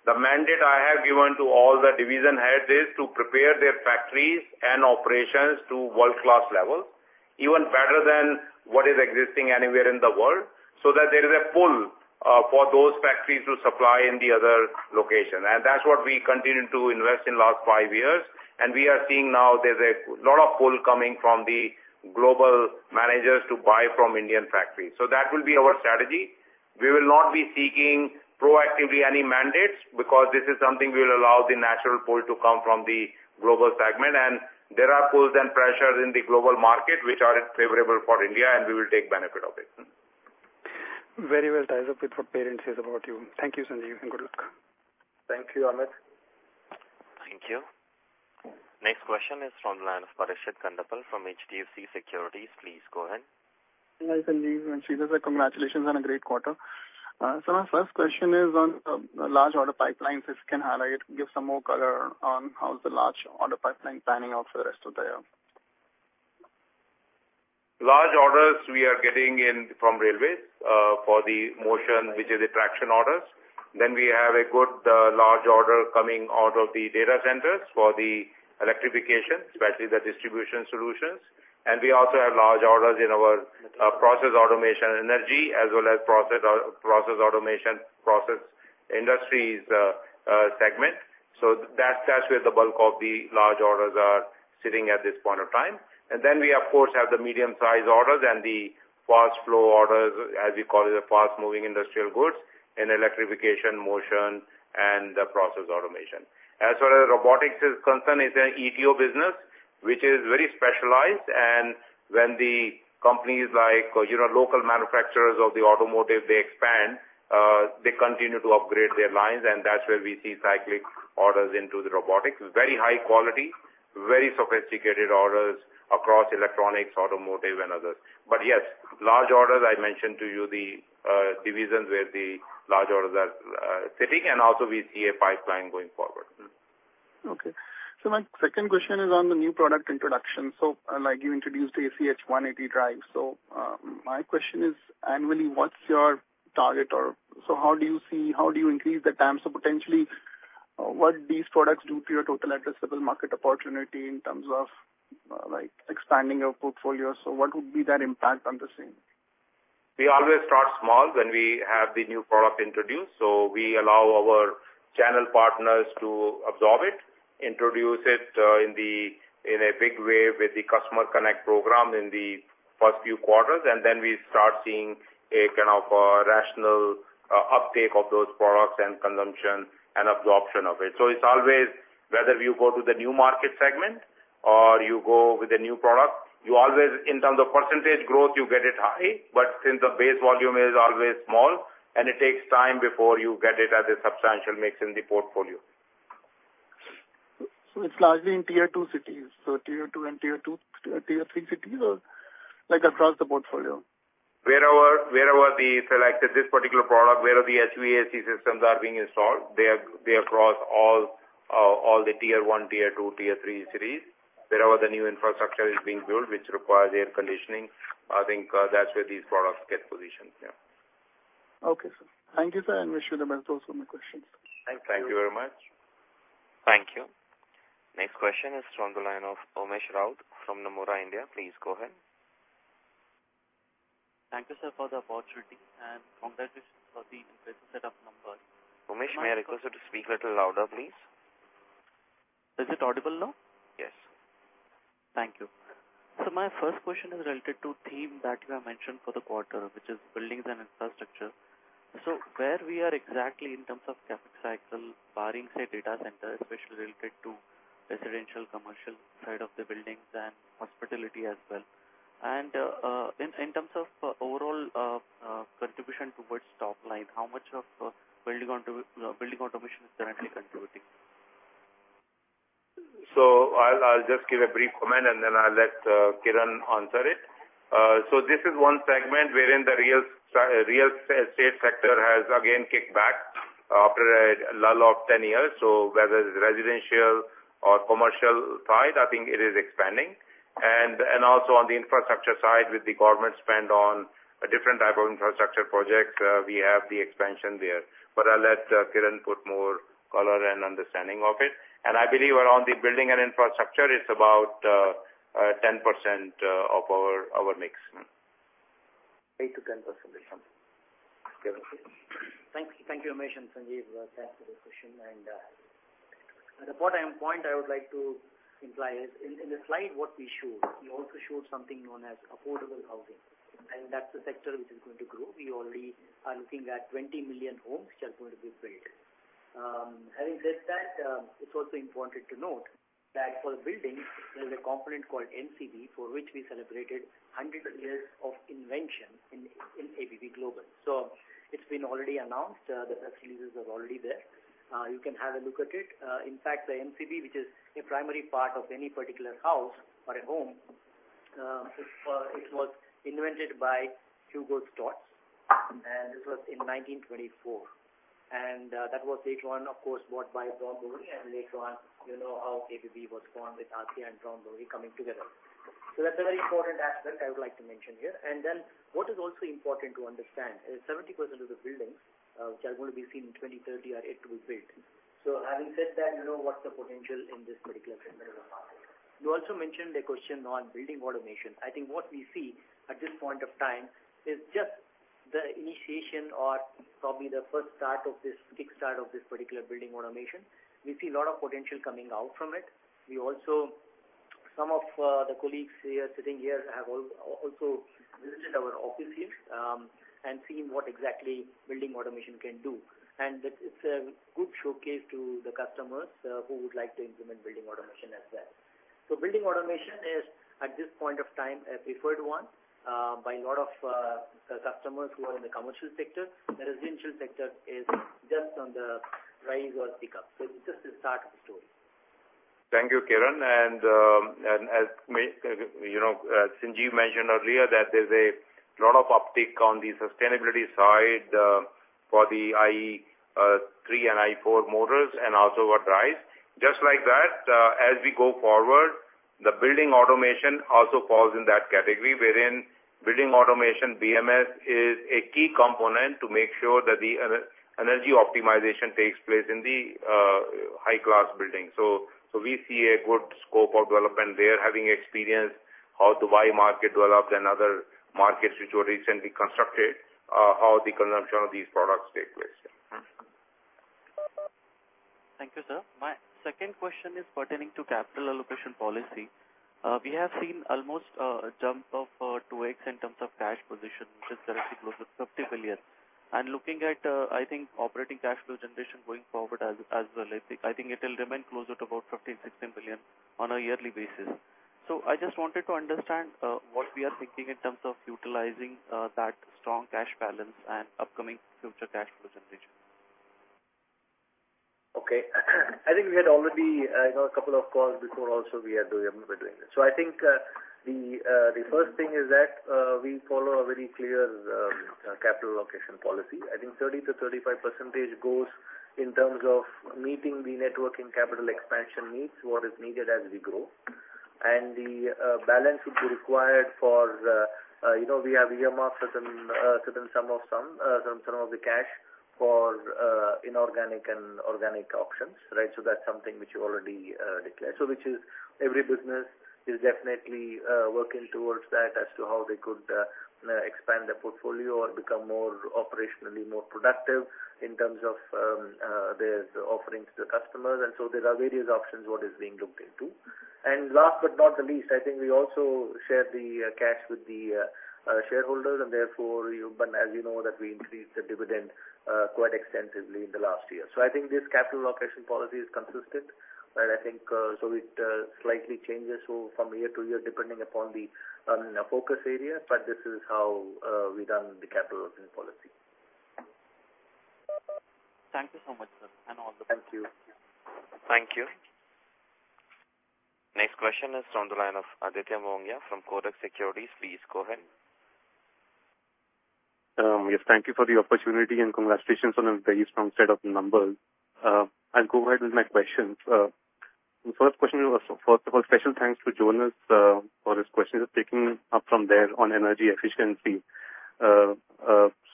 the mandate I have given to all the division heads is to prepare their factories and operations to world-class levels, even better than what is existing anywhere in the world so that there is a pull for those factories to supply in the other locations. That's what we continue to invest in the last five years. We are seeing now there's a lot of pull coming from the global managers to buy from Indian factories. So that will be our strategy. We will not be seeking proactively any mandates because this is something we will allow the natural pull to come from the global segment. There are pulls and pressures in the global market which are favorable for India, and we will take benefit of it. Very well, ties up, with what Perin says about you. Thank you, Sanjeev, and good luck. Thank you, Amit. Thank you. Next question is from the line of Parikshit Kandpal from HDFC Securities. Please go ahead. Hi, Sanjeev and Sridhar. Congratulations on a great quarter. Sir, my first question is on large order pipelines. If you can highlight, give some more color on how's the large order pipeline panning out for the rest of the year. Large orders, we are getting from railways for the Motion, which is the traction orders. We have a good large order coming out of the data centers for the Electrification, especially the distribution solutions. We also have large orders in our Process Automation Energy as well as Process Automation Process Industries segment. That's where the bulk of the large orders are sitting at this point of time. Then we, of course, have the medium-size orders and the fast-flow orders, as we call it, the fast-moving industrial goods in Electrification, Motion, and the Process Automation. As far as Robotics is concerned, it's an ETO business which is very specialized. And when companies like local manufacturers of the automotive expand, they continue to upgrade their lines, and that's where we see cyclical orders into robotics, very high quality, very sophisticated orders across electronics, automotive, and others. But yes, large orders, I mentioned to you the divisions where the large orders are sitting, and also we see a pipeline going forward. Okay. Sir, my second question is on the new product introduction. So you introduced the ACH180 drive. So my question is, annually, what's your target or so how do you see how do you increase the times? So potentially, what these products do to your total addressable market opportunity in terms of expanding your portfolio? So what would be that impact on the same? We always start small when we have the new product introduced. So we allow our channel partners to absorb it, introduce it in a big way with the Customer Connect program in the first few quarters, and then we start seeing a kind of rational uptake of those products and consumption and absorption of it. So it's always whether you go to the new market segment or you go with a new product, in terms of percentage growth, you get it high, but since the base volume is always small, and it takes time before you get it at a substantial mix in the portfolio. It's largely in Tier 2 cities. Tier 2 and Tier 3 cities or across the portfolio? Wherever they select this particular product, wherever the HVAC systems are being installed, they're across all the Tier 1, Tier 2, Tier 3 cities. Wherever the new infrastructure is being built which requires air conditioning, I think that's where these products get positioned. Okay, sir. Thank you, sir, and wish you the best also in the questions. Thank you very much. Thank you. Next question is from the line of Umesh Raut from Nomura India. Please go ahead. Thank you, sir, for the opportunity and congratulations for the impressive set of numbers. Umesh, may I request you to speak a little louder, please? Is it audible now? Yes. Thank you. Sir, my first question is related to the theme that you have mentioned for the quarter which is buildings and infrastructure. So where we are exactly in terms of CapEx cycle, barring, say, data center, especially related to residential, commercial side of the buildings and hospitality as well? And in terms of overall contribution towards top line, how much of building automation is currently contributing? So I'll just give a brief comment, and then I'll let Kiran answer it. So this is one segment wherein the real estate sector has, again, kicked back after a lull of 10 years. So whether it's residential or commercial side, I think it is expanding. And also on the infrastructure side with the government spend on a different type of infrastructure projects, we have the expansion there. But I'll let Kiran put more color and understanding of it. And I believe around the building and infrastructure, it's about 10% of our mix. 8%-10% something. Thank you. Thank you, Umesh, and Sanjeev. Thanks for the question. The point I would like to imply is in the slide what we showed, we also showed something known as affordable housing. That's the sector which is going to grow. We already are looking at 20 million homes which are going to be built. Having said that, it's also important to note that for the buildings, there's a component called MCB for which we celebrated 100 years of invention in ABB Global. It's been already announced. The press releases are already there. You can have a look at it. In fact, the MCB which is a primary part of any particular house or a home, it was invented by Hugo Stotz, and this was in 1924. That was later on, of course, bought by Brown, Boveri & Cie. Later on, you know how ABB was formed with ASEA and Brown, Boveri & Cie coming together. So that's a very important aspect I would like to mention here. Then what is also important to understand is 70% of the buildings which are going to be seen in 2030 are yet to be built. So having said that, what's the potential in this particular segment of the market? You also mentioned a question on building automation. I think what we see at this point of time is just the initiation or probably the first start of this kickstart of this particular building automation. We see a lot of potential coming out from it. Some of the colleagues sitting here have also visited our office here and seen what exactly building automation can do. And it's a good showcase to the customers who would like to implement building automation as well. Building automation is, at this point of time, a preferred one by a lot of customers who are in the commercial sector. The residential sector is just on the rise or pickup. It's just the start of the story. Thank you, Kiran. As Sanjeev mentioned earlier that there's a lot of uptake on the sustainability side for the IE3 and IE4 motors and also what drives. Just like that, as we go forward, the building automation also falls in that category wherein building automation, BMS, is a key component to make sure that the energy optimization takes place in the high-class buildings. So we see a good scope of development there, having experienced how Dubai market developed and other markets which were recently constructed, how the consumption of these products take place. Thank you, sir. My second question is pertaining to capital allocation policy. We have seen almost a jump of 2X in terms of cash position which is currently closer to 50 billion. Looking at, I think, operating cash flow generation going forward as well, I think it will remain closer to about 15-16 billion on a yearly basis. So I just wanted to understand what we are thinking in terms of utilizing that strong cash balance and upcoming future cash flow generation. Okay. I think we had already a couple of calls before. Also we had the—I remember doing this. So I think the first thing is that we follow a very clear capital allocation policy. I think 30%-35% goes in terms of meeting the working capital expansion needs, what is needed as we grow. And the balance would be required for—we have earmarked certain sum of some of the cash for inorganic and organic options, right? So that's something which you already declared. So which is every business is definitely working towards that as to how they could expand their portfolio or become more operationally, more productive in terms of their offerings to the customers. And so there are various options what is being looked into. And last but not the least, I think we also share the cash with the shareholders, and therefore, as you know, that we increased the dividend quite extensively in the last year. So I think this capital allocation policy is consistent, right? So it slightly changes from year to year depending upon the focus area, but this is how we run the capital allocation policy. Thank you so much, sir, and all the best. Thank you. Thank you. Next question is from the line of Aditya Mongia from Kotak Securities. Please go ahead. Yes. Thank you for the opportunity and congratulations on a very strong set of numbers. I'll go ahead with my questions. The first question was, first of all, special thanks to Jonas for his questions, taking up from there on energy efficiency.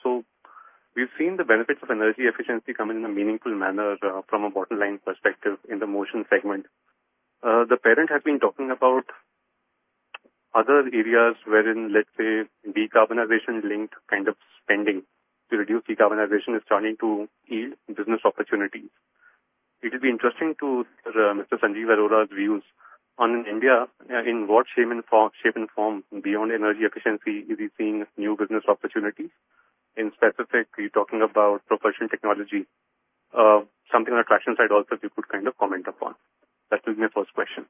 So we've seen the benefits of energy efficiency come in a meaningful manner from a bottom-line perspective in the motion segment. The parent has been talking about other areas wherein, let's say, decarbonization-linked kind of spending to reduce decarbonization is starting to yield business opportunities. It will be interesting to Mr. Sanjeev Arora's views on in India, in what shape and form beyond energy efficiency is he seeing new business opportunities? In specific, you're talking about propulsion technology. Something on the traction side also you could kind of comment upon. That will be my first question.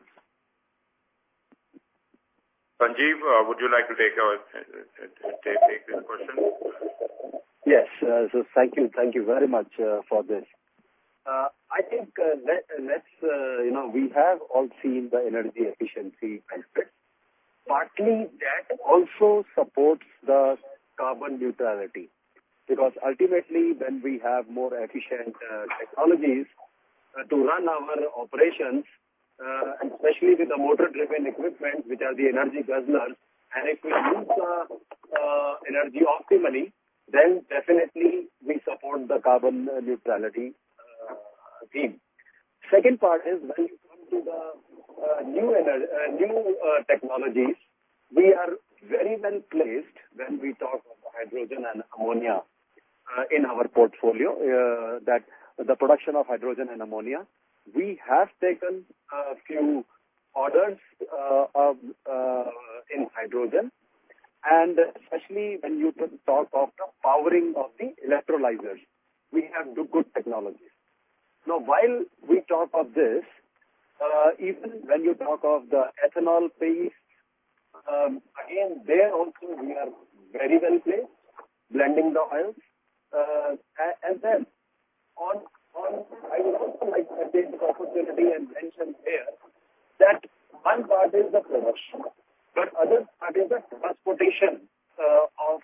Sanjeev, would you like to take this question? Yes. So thank you. Thank you very much for this. I think we have all seen the energy efficiency benefits. Partly, that also supports the carbon neutrality because ultimately, when we have more efficient technologies to run our operations, especially with the motor-driven equipment which are the energy guzzlers, and if we use the energy optimally, then definitely, we support the carbon neutrality theme. Second part is when you come to the new technologies, we are very well placed when we talk of hydrogen and ammonia in our portfolio, the production of hydrogen and ammonia. We have taken a few orders in hydrogen. And especially when you talk of the powering of the electrolyzers, we have good technologies. Now, while we talk of this, even when you talk of the ethanol space, again, there also, we are very well placed blending the oils. And then I would also like to take this opportunity and mention here that one part is the production, but another part is the transportation of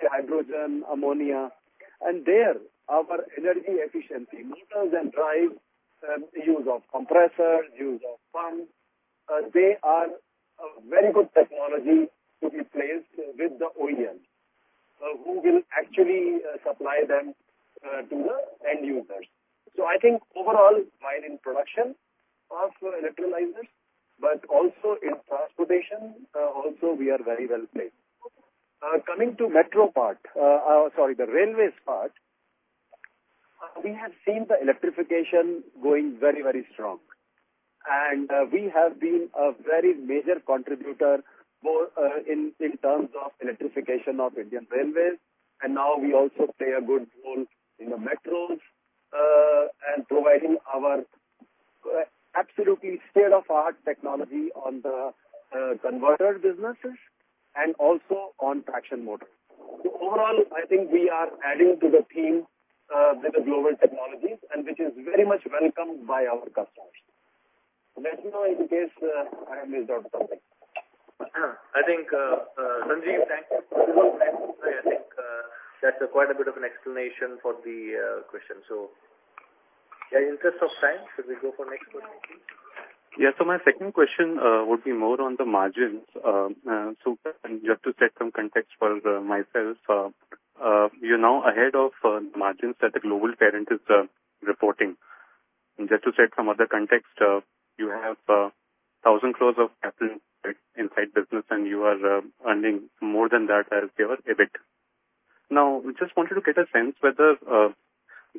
hydrogen, ammonia. And there, our energy efficient motors and drives, use of compressors, use of pumps, they are a very good technology to be placed with the OEM who will actually supply them to the end users. So I think overall, while in production of electrolyzers, but also in transportation, also, we are very well placed. Coming to metro part, sorry, the railways part, we have seen the electrification going very, very strong. And we have been a very major contributor in terms of electrification of Indian Railways. And now, we also play a good role in the metros and providing our absolutely state-of-the-art technology on the converter businesses and also on traction motors. Overall, I think we are adding to the theme with the global technologies and which is very much welcomed by our customers. Let me know in case I have missed out on something. I think Sanjeev, thank you. I think that's quite a bit of an explanation for the question. In the interest of time, should we go for next question, please? Yes. So my second question would be more on the margins. So just to set some context for myself, you're now ahead of the margins that the global parent is reporting. And just to set some other context, you have 1,000 crores of capital inside business, and you are earning more than that as your EBIT. Now, I just wanted to get a sense whether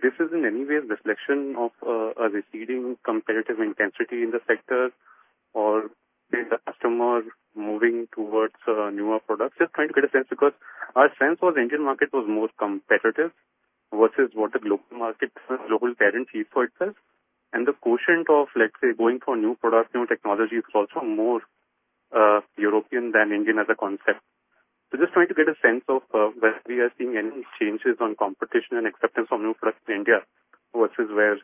this is in any way a reflection of a receding competitive intensity in the sector or the customer moving towards newer products. Just trying to get a sense because our sense was Indian market was more competitive versus what the global market, global parent sees for itself. And the quotient of, let's say, going for new products, new technologies is also more European than Indian as a concept. So just trying to get a sense of whether we are seeing any changes on competition and acceptance of new products in India versus where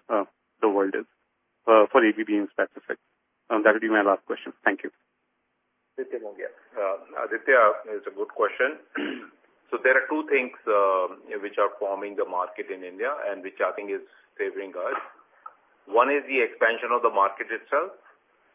the world is for ABB in specific. That will be my last question. Thank you. Aditya, it's a good question. There are two things which are forming the market in India and which I think is favoring us. One is the expansion of the market itself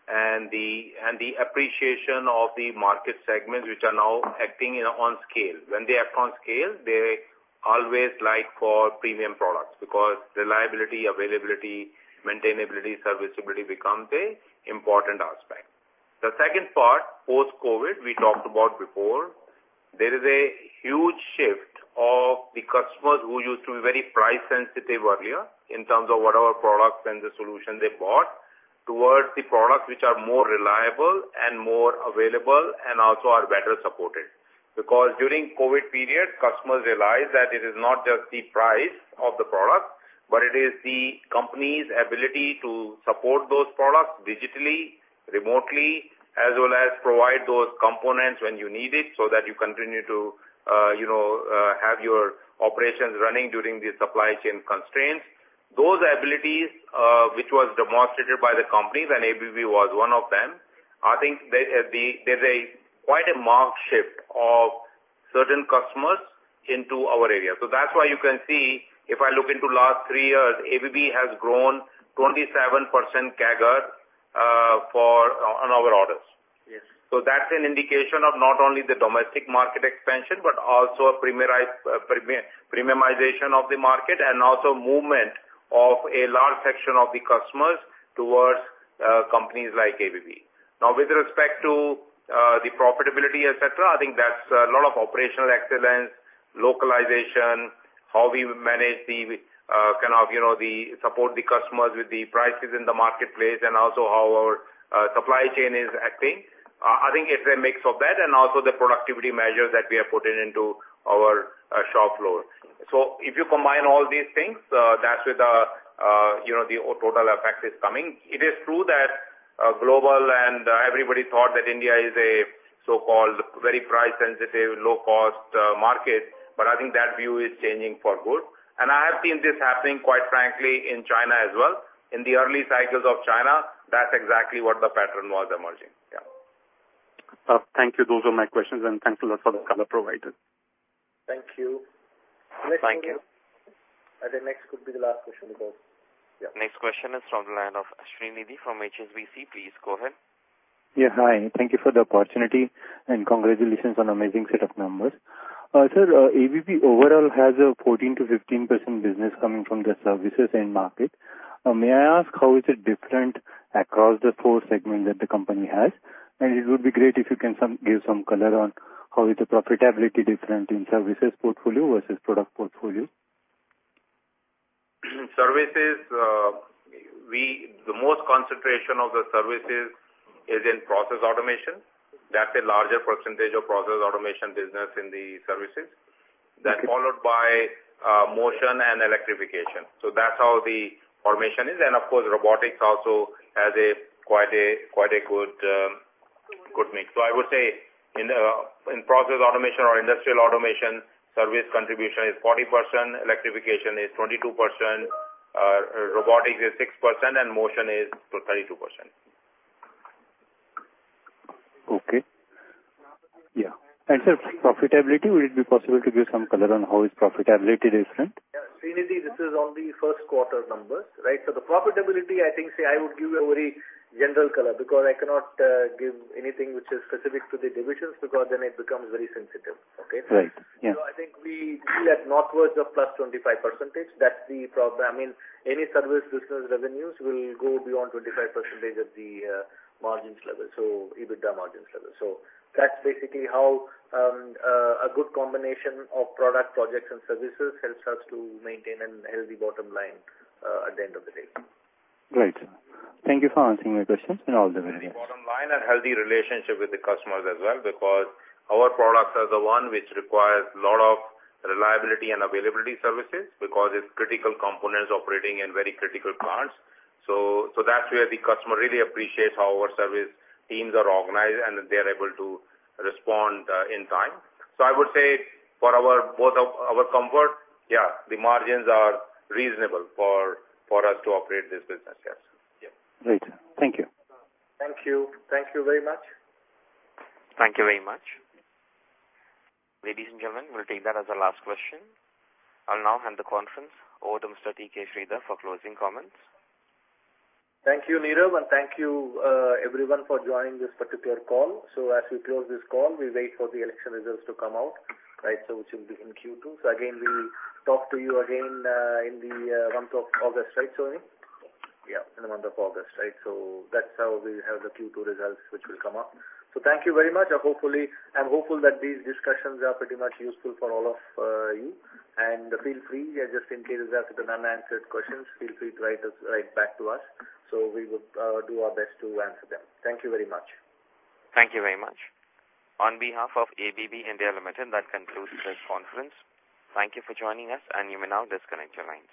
and the appreciation of the market segments which are now acting on scale. When they act on scale, they always like for premium products because reliability, availability, maintainability, serviceability become the important aspect. The second part, post-COVID, we talked about before, there is a huge shift of the customers who used to be very price-sensitive earlier in terms of whatever products and the solutions they bought towards the products which are more reliable and more available and also are better supported. Because during the COVID period, customers realized that it is not just the price of the product, but it is the company's ability to support those products digitally, remotely, as well as provide those components when you need it so that you continue to have your operations running during the supply chain constraints. Those abilities, which was demonstrated by the companies, and ABB was one of them, I think there's quite a marked shift of certain customers into our area. So that's why you can see if I look into the last three years, ABB has grown 27% CAGR on our orders. So that's an indication of not only the domestic market expansion but also a premiumization of the market and also movement of a large section of the customers towards companies like ABB. Now, with respect to the profitability, etc., I think that's a lot of operational excellence, localization, how we manage the kind of the support the customers with the prices in the marketplace, and also how our supply chain is acting. I think it's a mix of that and also the productivity measures that we have put into our shop floor. So if you combine all these things, that's where the total effect is coming. It is true that global and everybody thought that India is a so-called very price-sensitive, low-cost market, but I think that view is changing for good. And I have seen this happening, quite frankly, in China as well. In the early cycles of China, that's exactly what the pattern was emerging. Yeah. Thank you. Those are my questions. Thanks a lot for the color provided. Thank you. Next question. Thank you. I think next could be the last question because, yeah. Next question is from the line of Ashwani Sharma from HSBC. Please go ahead. Yeah. Hi. Thank you for the opportunity, and congratulations on an amazing set of numbers. Sir, ABB overall has a 14%-15% business coming from the services end market. May I ask how is it different across the four segments that the company has? And it would be great if you can give some color on how is the profitability different in services portfolio versus product portfolio? Services, the most concentration of the services is in Process Automation. That's a larger percentage of Process Automation business in the services, then followed by Motion and Electrification. So that's how the automation is. And of course, Robotics also has quite a good mix. So I would say in Process Automation or industrial automation, service contribution is 40%, Electrification is 22%, Robotics is 6%, and Motion is 32%. Okay. Yeah. And sir, profitability, would it be possible to give some color on how is profitability different? Yeah. Sridhar, this is only Q1 numbers, right? So the profitability, I think, say, I would give a very general color because I cannot give anything which is specific to the divisions because then it becomes very sensitive, okay? Right. Yeah. So I think we feel at northwards of +25%. That's the problem. I mean, any service business revenues will go beyond 25% of the margins level, so EBITDA margins level. So that's basically how a good combination of product, projects, and services helps us to maintain a healthy bottom line at the end of the day. Great. Thank you for answering my questions in all the way here. Bottom line and healthy relationship with the customers as well because our products are the one which requires a lot of reliability and availability services because it's critical components operating in very critical plants. So that's where the customer really appreciates how our service teams are organized and they're able to respond in time. So I would say for both of our comfort, yeah, the margins are reasonable for us to operate this business. Yes. Yeah. Great. Thank you. Thank you. Thank you very much. Thank you very much. Ladies and gentlemen, we'll take that as a last question. I'll now hand the conference over to Mr. T.K. Sridhar for closing comments. Thank you, Neerav, and thank you, everyone, for joining this particular call. So as we close this call, we wait for the election results to come out, right, so which will be in Q2. So again, we talk to you again in the month of August, right, Sohini? Yeah, in the month of August, right? So that's how we have the Q2 results which will come up. So thank you very much. I'm hopeful that these discussions are pretty much useful for all of you. And feel free, just in case there's an unanswered question, feel free to write back to us. So we will do our best to answer them. Thank you very much. Thank you very much. On behalf of ABB India Ltd., that concludes this conference. Thank you for joining us, and you may now disconnect your lines.